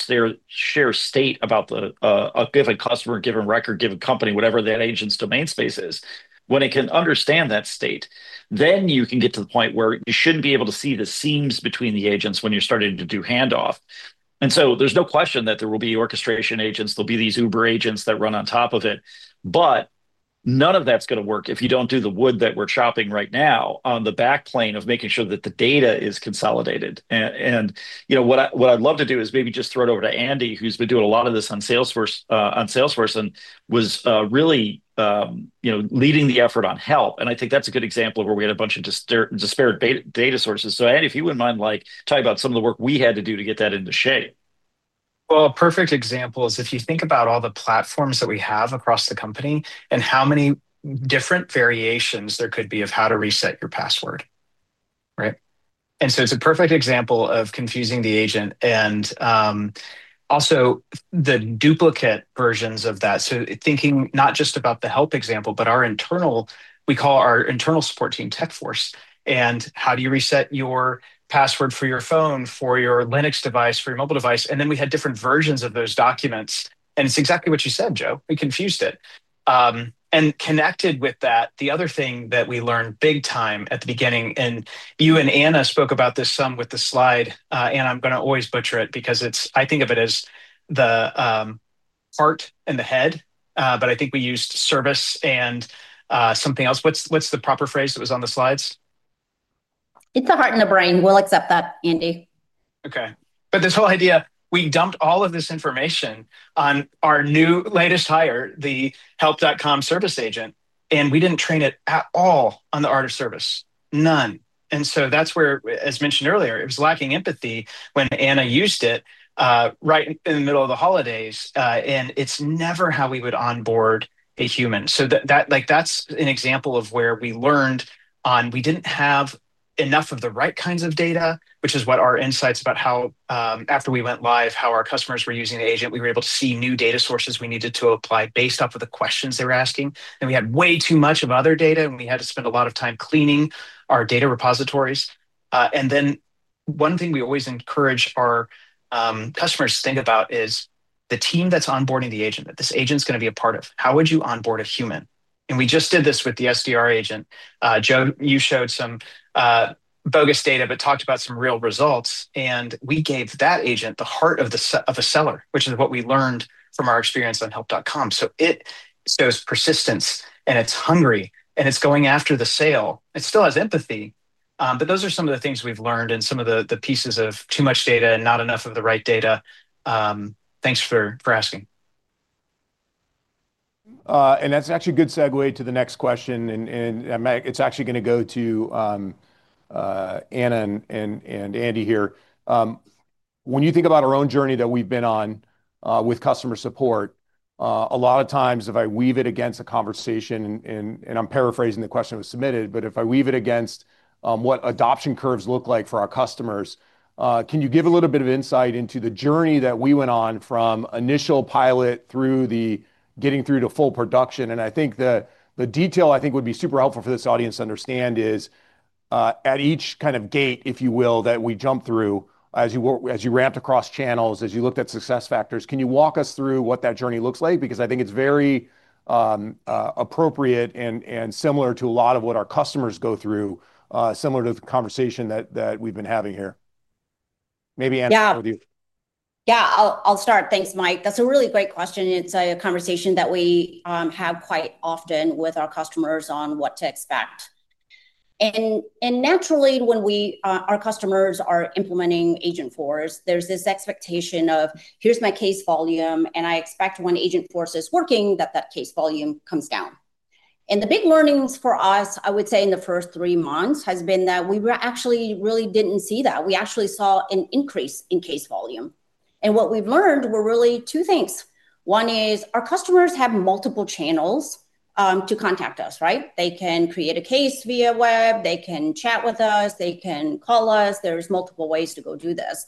share state about a given customer, a given record, a given company, whatever that agent's domain space is, when it can understand that state, then you can get to the point where you shouldn't be able to see the seams between the agents when you're starting to do handoff. There's no question that there will be orchestration agents. There'll be these uber agents that run on top of it. None of that's going to work if you don't do the wood that we're chopping right now on the back plane of making sure that the data is consolidated. What I'd love to do is maybe just throw it over to Andy, who's been doing a lot of this on Salesforce and was really leading the effort on help. I think that's a good example of where we had a bunch of disparate data sources. Andy, if you wouldn't mind telling about some of the work we had to do to get that into shape. A perfect example is if you think about all the platforms that we have across the company and how many different variations there could be of how to reset your password, right? It's a perfect example of confusing the agent and also the duplicate versions of that. Thinking not just about the help example, but our internal, we call our internal support team TechForce. How do you reset your password for your phone, for your Linux device, for your mobile device? We had different versions of those documents. It's exactly what you said, Joe. We confused it. Connected with that, the other thing that we learned big time at the beginning, and you and Anna spoke about this some with the slide, I'm going to always butcher it because I think of it as the heart and the head, but I think we used service and something else. What's the proper phrase that was on the slides? It's the heart and the brain. We'll accept that, Andy. OK. This whole idea, we dumped all of this information on our new latest hire, the help.com service agent, and we didn't train it at all on the art of service. None. That's where, as mentioned earlier, it was lacking empathy when Anna used it right in the middle of the holidays. It's never how we would onboard a human. That's an example of where we learned we didn't have enough of the right kinds of data, which is what our insights about how after we went live, how our customers were using the agent, we were able to see new data sources we needed to apply based off of the questions they were asking. We had way too much of other data, and we had to spend a lot of time cleaning our data repositories. One thing we always encourage our customers to think about is the team that's onboarding the agent. This agent's going to be a part of how would you onboard a human? We just did this with the SDR agent. Joe, you showed some bogus data, but talked about some real results. We gave that agent the heart of a seller, which is what we learned from our experience on help.com. It shows persistence, and it's hungry, and it's going after the sale. It still has empathy. Those are some of the things we've learned and some of the pieces of too much data and not enough of the right data. Thanks for asking. That's actually a good segue to the next question. It's actually going to go to Anna and Andy here. When you think about our own journey that we've been on with customer support, a lot of times, if I weave it against a conversation, and I'm paraphrasing the question that was submitted, if I weave it against what adoption curves look like for our customers, can you give a little bit of insight into the journey that we went on from initial pilot through getting through to full production? I think the detail would be super helpful for this audience to understand. At each kind of gate, if you will, that we jump through as you ramped across channels, as you looked at success factors, can you walk us through what that journey looks like? I think it's very appropriate and similar to a lot of what our customers go through, similar to the conversation that we've been having here. Maybe Anna will do. Yeah, I'll start. Thanks, Mike. That's a really great question. It's a conversation that we have quite often with our customers on what to expect. Naturally, when our customers are implementing Agentforce, there's this expectation of here's my case volume, and I expect when Agentforce is working, that that case volume comes down. The big learnings for us, I would say, in the first three months have been that we actually really didn't see that. We actually saw an increase in case volume. What we've learned were really two things. One is our customers have multiple channels to contact us, right? They can create a case via web, they can chat with us, they can call us. There are multiple ways to go do this.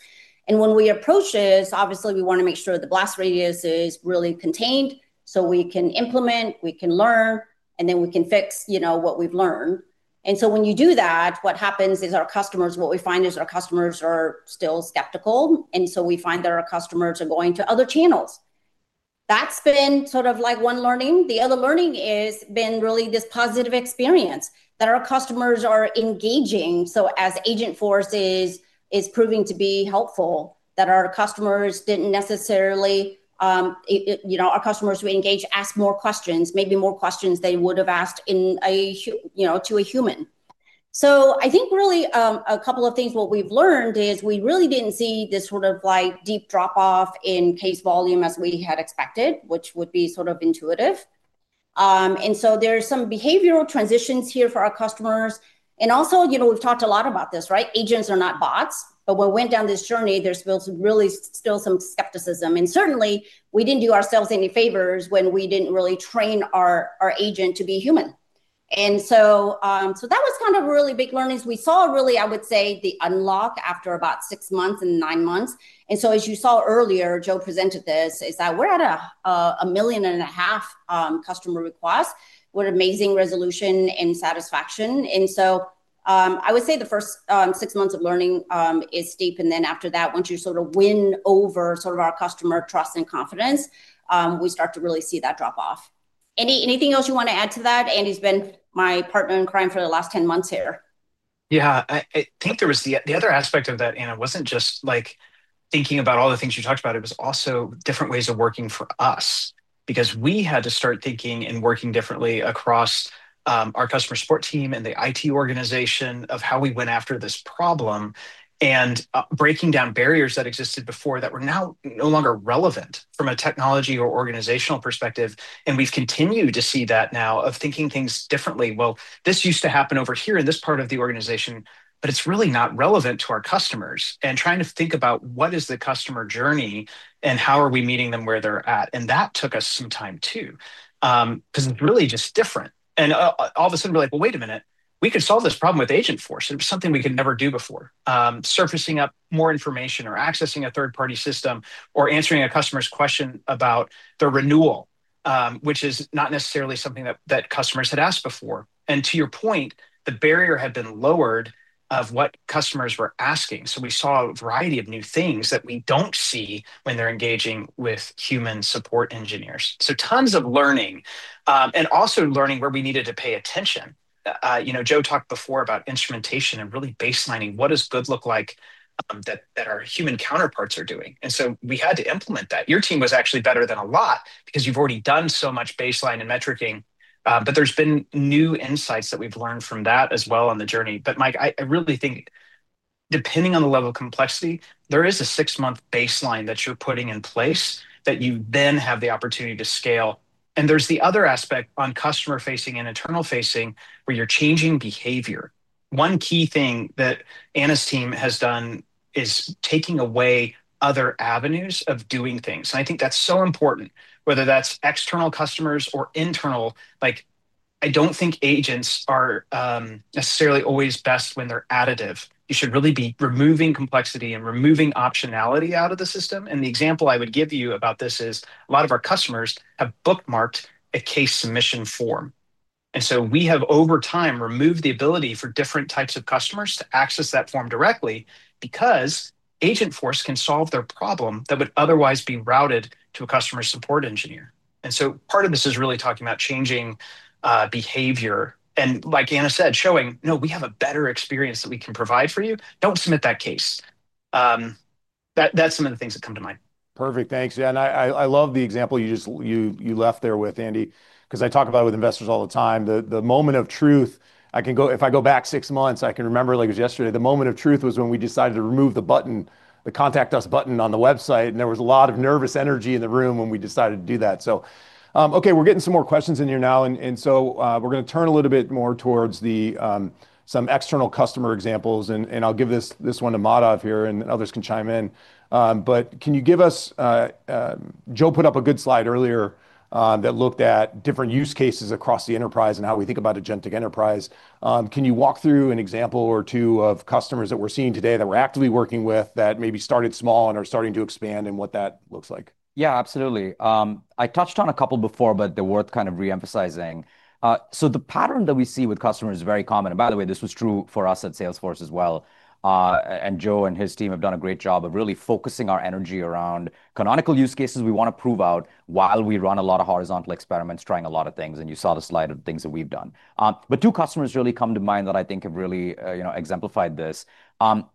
When we approach this, obviously, we want to make sure the blast radius is really contained so we can implement, we can learn, and then we can fix what we've learned. When you do that, what happens is our customers, what we find is our customers are still skeptical. We find that our customers are going to other channels. That's been sort of like one learning. The other learning has been really this positive experience that our customers are engaging. As Agentforce is proving to be helpful, our customers didn't necessarily, you know, our customers who engage ask more questions, maybe more questions they would have asked to a human. I think really a couple of things, what we've learned is we really didn't see this sort of like deep drop-off in case volume as we had expected, which would be sort of intuitive. There are some behavioral transitions here for our customers. Also, you know, we've talked a lot about this, right? Agents are not bots. When we went down this journey, there's really still some skepticism. Certainly, we didn't do ourselves any favors when we didn't really train our agent to be human. That was kind of a really big learning. We saw really, I would say, the unlock after about six months and nine months. As you saw earlier, Joe presented this, is that we're at a million and a half customer requests with amazing resolution and satisfaction. I would say the first six months of learning is steep. After that, once you sort of win over sort of our customer trust and confidence, we start to really see that drop off. Anything else you want to add to that? Andy's been my partner in crime for the last 10 months here. Yeah, I think there was the other aspect of that, Anna, wasn't just like thinking about all the things you talked about. It was also different ways of working for us because we had to start thinking and working differently across our customer support team and the IT organization of how we went after this problem and breaking down barriers that existed before that were now no longer relevant from a technology or organizational perspective. We've continued to see that now of thinking things differently. This used to happen over here in this part of the organization, but it's really not relevant to our customers. Trying to think about what is the customer journey and how are we meeting them where they're at took us some time too because it's really just different. All of a sudden, we're like, wait a minute. We could solve this problem with Agentforce. It was something we could never do before, surfacing up more information or accessing a third-party system or answering a customer's question about the renewal, which is not necessarily something that customers had asked before. To your point, the barrier had been lowered of what customers were asking. We saw a variety of new things that we don't see when they're engaging with human support engineers. Tons of learning and also learning where we needed to pay attention. Joe talked before about instrumentation and really baselining what does good look like that our human counterparts are doing. We had to implement that. Your team was actually better than a lot because you've already done so much baseline and metricing. There's been new insights that we've learned from that as well on the journey. Mike, I really think depending on the level of complexity, there is a six-month baseline that you're putting in place that you then have the opportunity to scale. There's the other aspect on customer-facing and internal-facing where you're changing behavior. One key thing that Anna's team has done is taking away other avenues of doing things. I think that's so important, whether that's external customers or internal. I don't think agents are necessarily always best when they're additive. You should really be removing complexity and removing optionality out of the system. The example I would give you about this is a lot of our customers have bookMarced a case submission form. We have, over time, removed the ability for different types of customers to access that form directly because Agentforce can solve their problem that would otherwise be routed to a customer support engineer. Part of this is really talking about changing behavior. Like Anna said, showing, no, we have a better experience that we can provide for you. Don't submit that case. That's some of the things that come to mind. Perfect. Thanks, yeah. I love the example you left there with Andy, because I talk about it with investors all the time. The moment of truth, I can go, if I go back six months, I can remember like it was yesterday. The moment of truth was when we decided to remove the button, the Contact Us button on the website. There was a lot of nervous energy in the room when we decided to do that. We're getting some more questions in here now. We're going to turn a little bit more towards some external customer examples. I'll give this one to Madhav here, and others can chime in. Can you give us, Joe put up a good slide earlier that looked at different use cases across the enterprise and how we think about agentic enterprise. Can you walk through an example or two of customers that we're seeing today that we're actively working with that maybe started small and are starting to expand and what that looks like? Yeah, absolutely. I touched on a couple before, but they're worth kind of re-emphasizing. The pattern that we see with customers is very common. By the way, this was true for us at Salesforce as well. Joe and his team have done a great job of really focusing our energy around canonical use cases we want to prove out while we run a lot of horizontal experiments trying a lot of things. You saw the slide of things that we've done. Two customers really come to mind that I think have really exemplified this.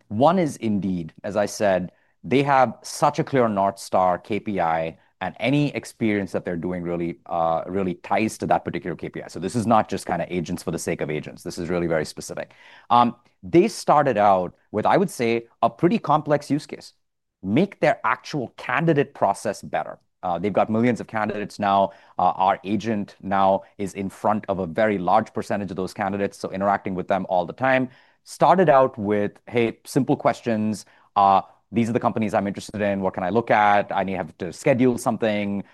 One is Indeed. As I said, they have such a clear North Star KPI, and any experience that they're doing really ties to that particular KPI. This is not just agents for the sake of agents. This is really very specific. They started out with, I would say, a pretty complex use case: make their actual candidate process better. They've got millions of candidates now. Our agent now is in front of a very large percentage of those candidates, so interacting with them all the time. Started out with, hey, simple questions. These are the companies I'm interested in. What can I look at? I need to schedule something.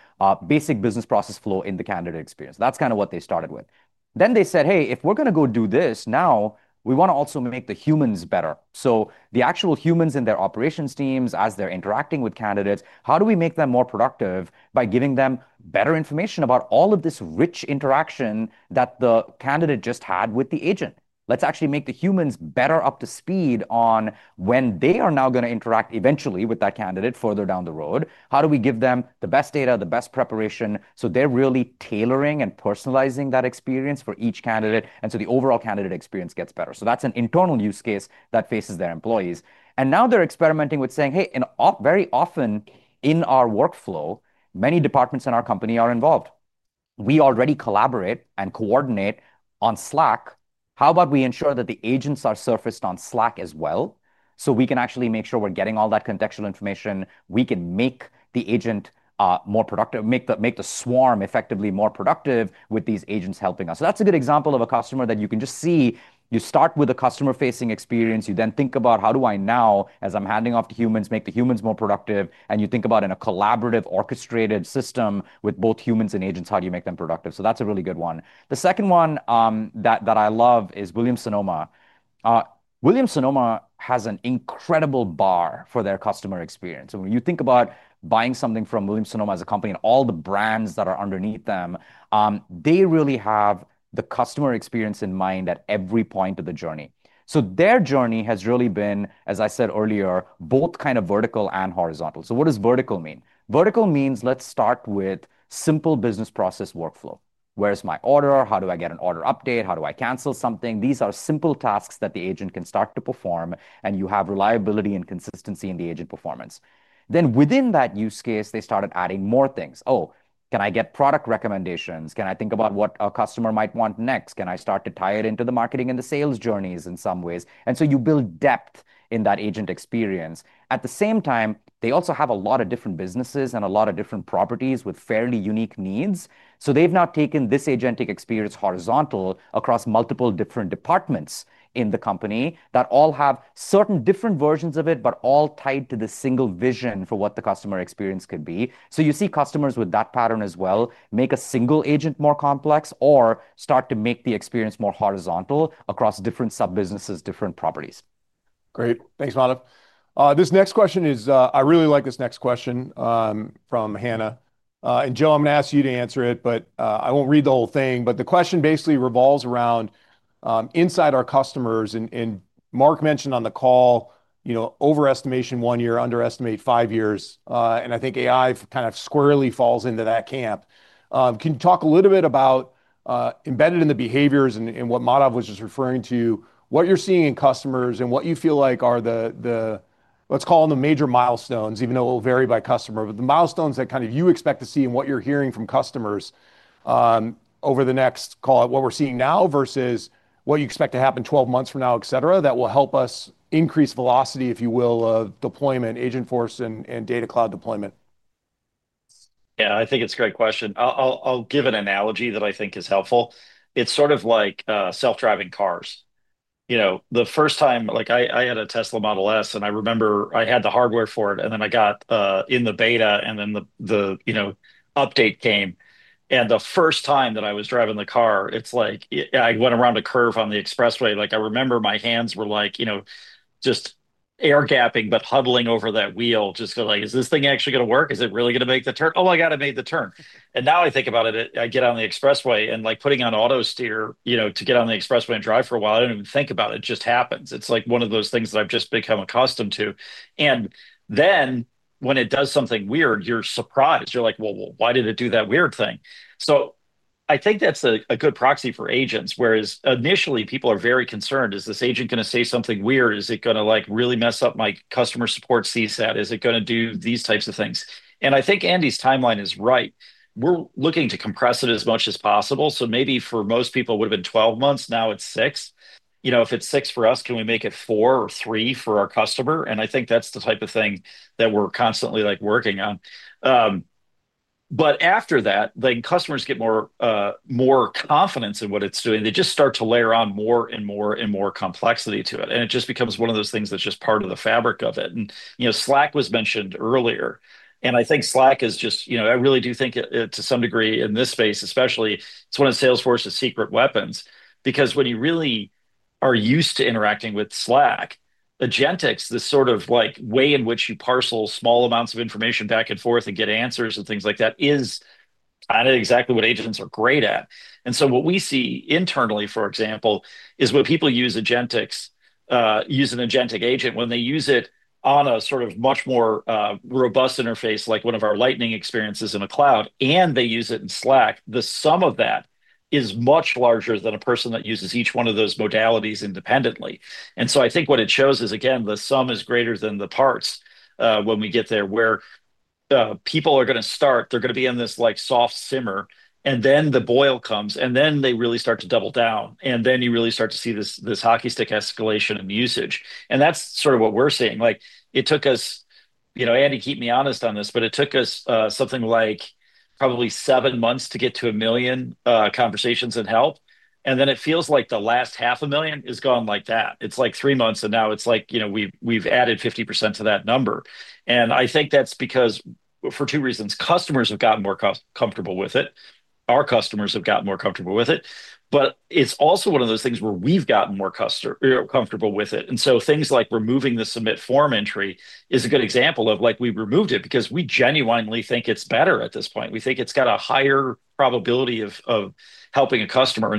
Basic business process flow in the candidate experience. That's kind of what they started with. They said, hey, if we're going to go do this, now we want to also make the humans better. The actual humans in their operations teams, as they're interacting with candidates, how do we make them more productive by giving them better information about all of this rich interaction that the candidate just had with the agent? Let's actually make the humans better up to speed on when they are now going to interact eventually with that candidate further down the road. How do we give them the best data, the best preparation so they're really tailoring and personalizing that experience for each candidate? The overall candidate experience gets better. That's an internal use case that faces their employees. Now they're experimenting with saying, hey, very often in our workflow, many departments in our company are involved. We already collaborate and coordinate on Slack. How about we ensure that the agents are surfaced on Slack as well so we can actually make sure we're getting all that contextual information? We can make the agent more productive, make the swarm effectively more productive with these agents helping us. That's a good example of a customer that you can just see. You start with a customer-facing experience. You then think about how do I now, as I'm handing off to humans, make the humans more productive. You think about, in a collaborative, orchestrated system with both humans and agents, how do you make them productive? That's a really good one. The second one that I love is Williams-Sonoma. Williams-Sonoma has an incredible bar for their customer experience. When you think about buying something from Williams-Sonoma as a company and all the brands that are underneath them, they really have the customer experience in mind at every point of the journey. Their journey has really been, as I said earlier, both kind of vertical and horizontal. What does vertical mean? Vertical means let's start with simple business process workflow. Where's my order? How do I get an order update? How do I cancel something? These are simple tasks that the agent can start to perform, and you have reliability and consistency in the agent performance. Within that use case, they started adding more things. Oh, can I get product recommendations? Can I think about what a customer might want next? Can I start to tie it into the Marceting and the sales journeys in some ways? You build depth in that agent experience. At the same time, they also have a lot of different businesses and a lot of different properties with fairly unique needs. They've now taken this agentic experience horizontal across multiple different departments in the company that all have certain different versions of it, but all tied to the single vision for what the customer experience could be. You see customers with that pattern as well make a single agent more complex or start to make the experience more horizontal across different sub-businesses, different properties. Great. Thanks, Madhav. This next question is, I really like this next question from Hannah. Joe, I'm going to ask you to answer it, but I won't read the whole thing. The question basically revolves around inside our customers. Marc mentioned on the call, you know, overestimation one year, underestimate five years. I think AI kind of squarely falls into that camp. Can you talk a little bit about embedded in the behaviors and what Madhav was just referring to, what you're seeing in customers and what you feel like are the, let's call them the major milestones, even though it will vary by customer, but the milestones that you expect to see and what you're hearing from customers over the next, call it what we're seeing now versus what you expect to happen 12 months from now, etc., that will help us increase velocity, if you will, of deployment, Agentforce and Data Cloud deployment? Yeah, I think it's a great question. I'll give an analogy that I think is helpful. It's sort of like self-driving cars. The first time, like, I had a Tesla Model S, and I remember I had the hardware for it, and then I got in the beta, and then the update came. The first time that I was driving the car, it's like I went around a curve on the expressway. I remember my hands were just air gapping, but huddling over that wheel, just like, is this thing actually going to work? Is it really going to make the turn? Oh, I got to make the turn. Now I think about it, I get on the expressway and like putting on auto steer to get on the expressway and drive for a while, I don't even think about it. It just happens. It's like one of those things that I've just become accustomed to. When it does something weird, you're surprised. You're like, why did it do that weird thing? I think that's a good proxy for agents, whereas initially, people are very concerned. Is this agent going to say something weird? Is it going to really mess up my customer support CSAT? Is it going to do these types of things? I think Andy's timeline is right. We're looking to compress it as much as possible. Maybe for most people, it would have been 12 months. Now it's six months. If it's six months for us, can we make it four months or three months for our customer? I think that's the type of thing that we're constantly working on. After that, customers get more confidence in what it's doing. They just start to layer on more and more and more complexity to it. It just becomes one of those things that's just part of the fabric of it. Slack was mentioned earlier. I think Slack is just, I really do think to some degree in this space especially, it's one of Salesforce's secret weapons because when you really are used to interacting with Slack, agentics, the sort of way in which you parcel small amounts of information back and forth and get answers and things like that is, I don't know exactly what agents are great at. What we see internally, for example, is when people use agentics, use an agentic agent, when they use it on a much more robust interface like one of our Lightning experiences in a cloud, and they use it in Slack, the sum of that is much larger than a person that uses each one of those modalities independently. I think what it shows is, again, the sum is greater than the parts when we get there, where people are going to start, they're going to be in this soft simmer, and then the boil comes, and then they really start to double down. You really start to see this hockey stick escalation in usage. That's sort of what we're seeing. It took us, you know, Andy, keep me honest on this, but it took us something like probably seven months to get to a million conversations and help. It feels like the last half a million has gone like that. It's like three months, and now it's like, you know, we've added 50% to that number. I think that's because for two reasons. Customers have gotten more comfortable with it. Our customers have gotten more comfortable with it. It's also one of those things where we've gotten more comfortable with it. Things like removing the submit form entry is a good example. We removed it because we genuinely think it's better at this point. We think it's got a higher probability of helping a customer.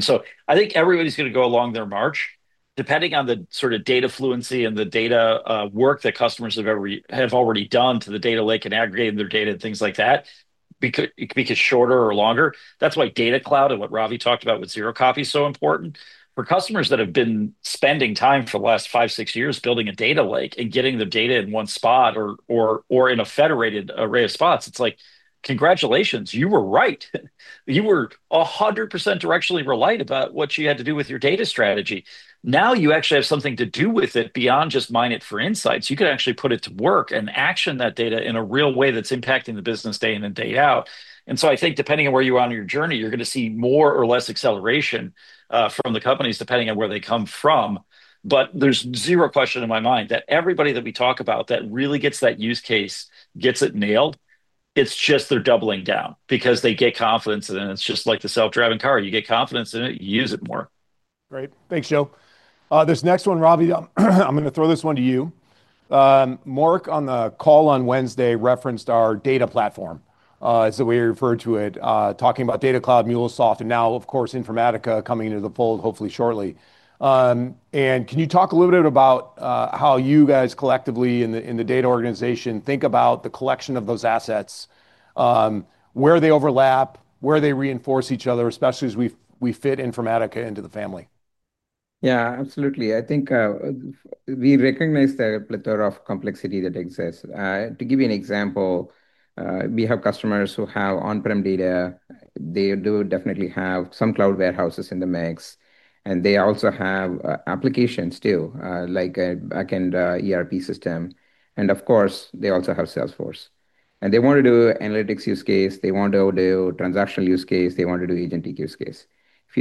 I think everybody's going to go along their march, depending on the sort of data fluency and the data work that customers have already done to the data lake and aggregating their data and things like that. It could be shorter or longer. That's why Data Cloud and what Ravee talked about with zero-copy is so important. For customers that have been spending time for the last five, six years building a data lake and getting the data in one spot or in a federated array of spots, congratulations. You were right. You were 100% directionally reliant about what you had to do with your data strategy. Now you actually have something to do with it beyond just minute for insights. You can actually put it to work and action that data in a real way that's impacting the business day in and day out. I think depending on where you are on your journey, you're going to see more or less acceleration from the companies, depending on where they come from. There's zero question in my mind that everybody that we talk about that really gets that use case gets it nailed, it's just they're doubling down because they get confidence in it. It's just like the self-driving car. You get confidence in it, you use it more. Right. Thanks, Joe. This next one, Ravee, I'm going to throw this one to you. Marc on the call on Wednesday referenced our data platform, is the way you referred to it, talking about Data Cloud, MuleSoft, and now, of course, Informatica coming into the fold, hopefully shortly. Can you talk a little bit about how you guys collectively in the data organization think about the collection of those assets, where they overlap, where they reinforce each other, especially as we fit Informatica into the family? Yeah, absolutely. I think we recognize the plethora of complexity that exists. To give you an example, we have customers who have on-prem data. They do definitely have some cloud warehouses in the mix. They also have applications too, like a backend ERP system. Of course, they also have Salesforce. They want to do analytics use case. They want to do transactional use case. They want to do agentic use case.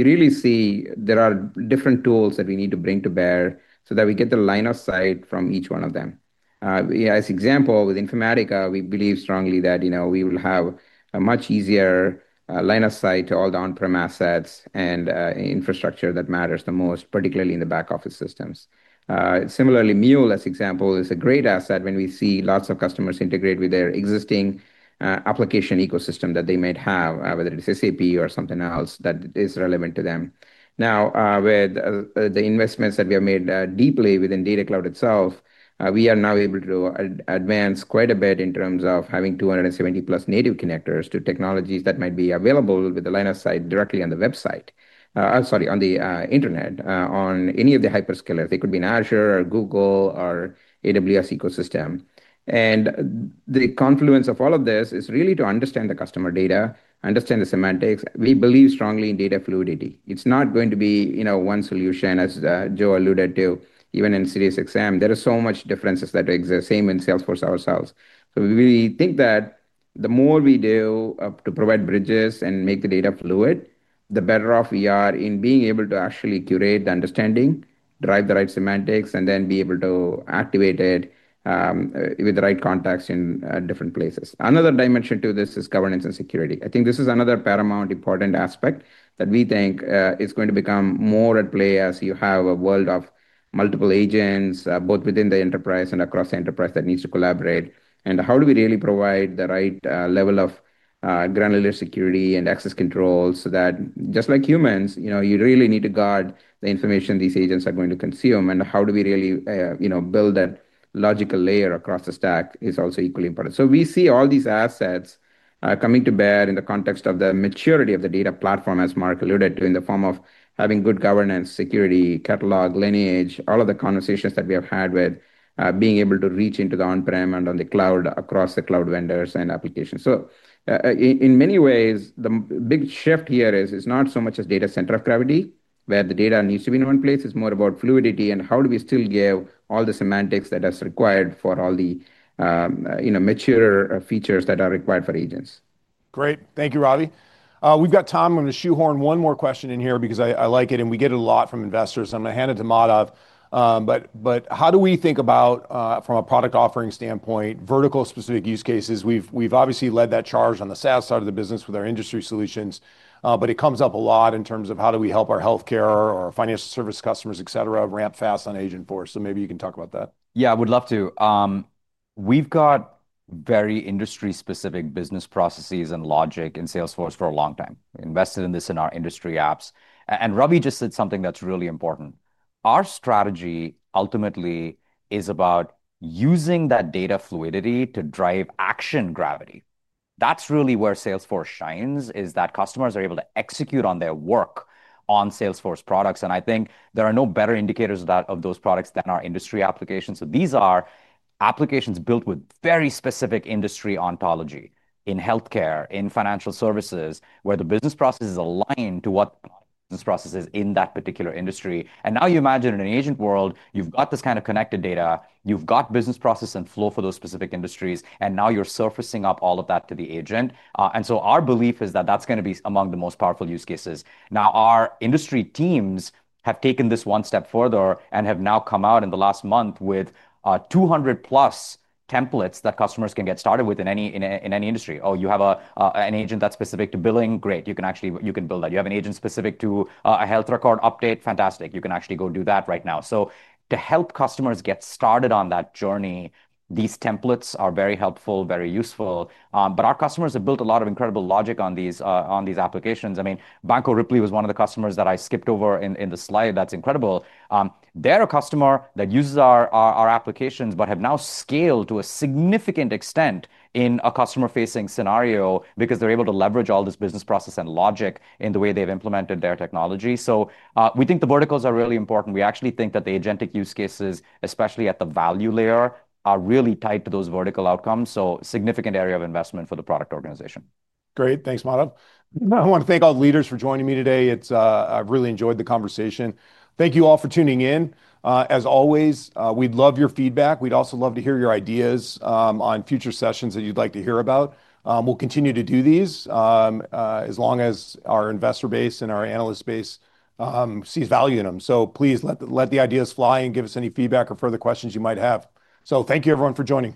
If you really see, there are different tools that we need to bring to bear so that we get the line of sight from each one of them. As an example, with Informatica, we believe strongly that we will have a much easier line of sight to all the on-prem assets and infrastructure that matters the most, particularly in the back office systems. Similarly, MuleSoft, as an example, is a great asset when we see lots of customers integrate with their existing application ecosystem that they might have, whether it's SAP or something else that is relevant to them. Now, with the investments that we have made deeply within Data Cloud itself, we are now able to advance quite a bit in terms of having 270+ native connectors to technologies that might be available with the line of sight directly on the website, sorry, on the Internet, on any of the hyperscalers. They could be in Azure or Google or AWS ecosystem. The confluence of all of this is really to understand the customer data, understand the semantics. We believe strongly in data fluidity. It's not going to be one solution, as Joe alluded to, even in Series XM. There are so much differences that exist, same in Salesforce ourselves. We think that the more we do to provide bridges and make the data fluid, the better off we are in being able to actually curate the understanding, drive the right semantics, and then be able to activate it with the right context in different places. Another dimension to this is governance and security. I think this is another paramount important aspect that we think is going to become more at play as you have a world of multiple agents, both within the enterprise and across the enterprise that needs to collaborate. How do we really provide the right level of ground-level security and access control so that, just like humans, you really need to guard the information these agents are going to consume? How do we really build that logical layer across the stack is also equally important. We see all these assets coming to bear in the context of the maturity of the data platform, as Marc alluded to, in the form of having good governance, security, catalog, lineage, all of the conversations that we have had with being able to reach into the on-prem and on the cloud across the cloud vendors and applications. In many ways, the big shift here is not so much a data center of gravity where the data needs to be in one place. It's more about fluidity and how do we still give all the semantics that are required for all the mature features that are required for agents. Great. Thank you, Ravee. We've got time to shoehorn one more question in here because I like it, and we get it a lot from investors. I'm going to hand it to Madhav. How do we think about, from a product offering standpoint, vertical-specific use cases? We've obviously led that charge on the SaaS side of the business with our industry solutions. It comes up a lot in terms of how do we help our healthcare or financial service customers, et cetera, ramp fast on Agentforce? Maybe you can talk about that. Yeah, I would love to. We've got very industry-specific business processes and logic in Salesforce for a long time. We invested in this in our industry apps. Ravee just said something that's really important. Our strategy ultimately is about using that data fluidity to drive action gravity. That's really where Salesforce shines, is that customers are able to execute on their work on Salesforce products. I think there are no better indicators of those products than our industry applications. These are applications built with very specific industry ontology in healthcare, in financial services, where the business process is aligned to what the business process is in that particular industry. Now you imagine in an agent world, you've got this kind of connected data, you've got business process and flow for those specific industries, and now you're surfacing up all of that to the agent. Our belief is that that's going to be among the most powerful use cases. Our industry teams have taken this one step further and have now come out in the last month with 200+ templates that customers can get started with in any industry. Oh, you have an agent that's specific to billing? Great. You can build that. You have an agent specific to a health record update? Fantastic. You can actually go do that right now. To help customers get started on that journey, these templates are very helpful, very useful. Our customers have built a lot of incredible logic on these applications. I mean, Banco was one of the customers that I skipped over in the slide. That's incredible. They're a customer that uses our applications, but have now scaled to a significant extent in a customer-facing scenario because they're able to leverage all this business process and logic in the way they've implemented their technology. We think the verticals are really important. We actually think that the agentic use cases, especially at the value layer, are really tied to those vertical outcomes. A significant area of investment for the product organization. Great. Thanks, Madhav. I want to thank all the leaders for joining me today. I've really enjoyed the conversation. Thank you all for tuning in. As always, we'd love your feedback. We'd also love to hear your ideas on future sessions that you'd like to hear about. We'll continue to do these as long as our investor base and our analyst base sees value in them. Please let the ideas fly and give us any feedback or further questions you might have. Thank you, everyone, for joining.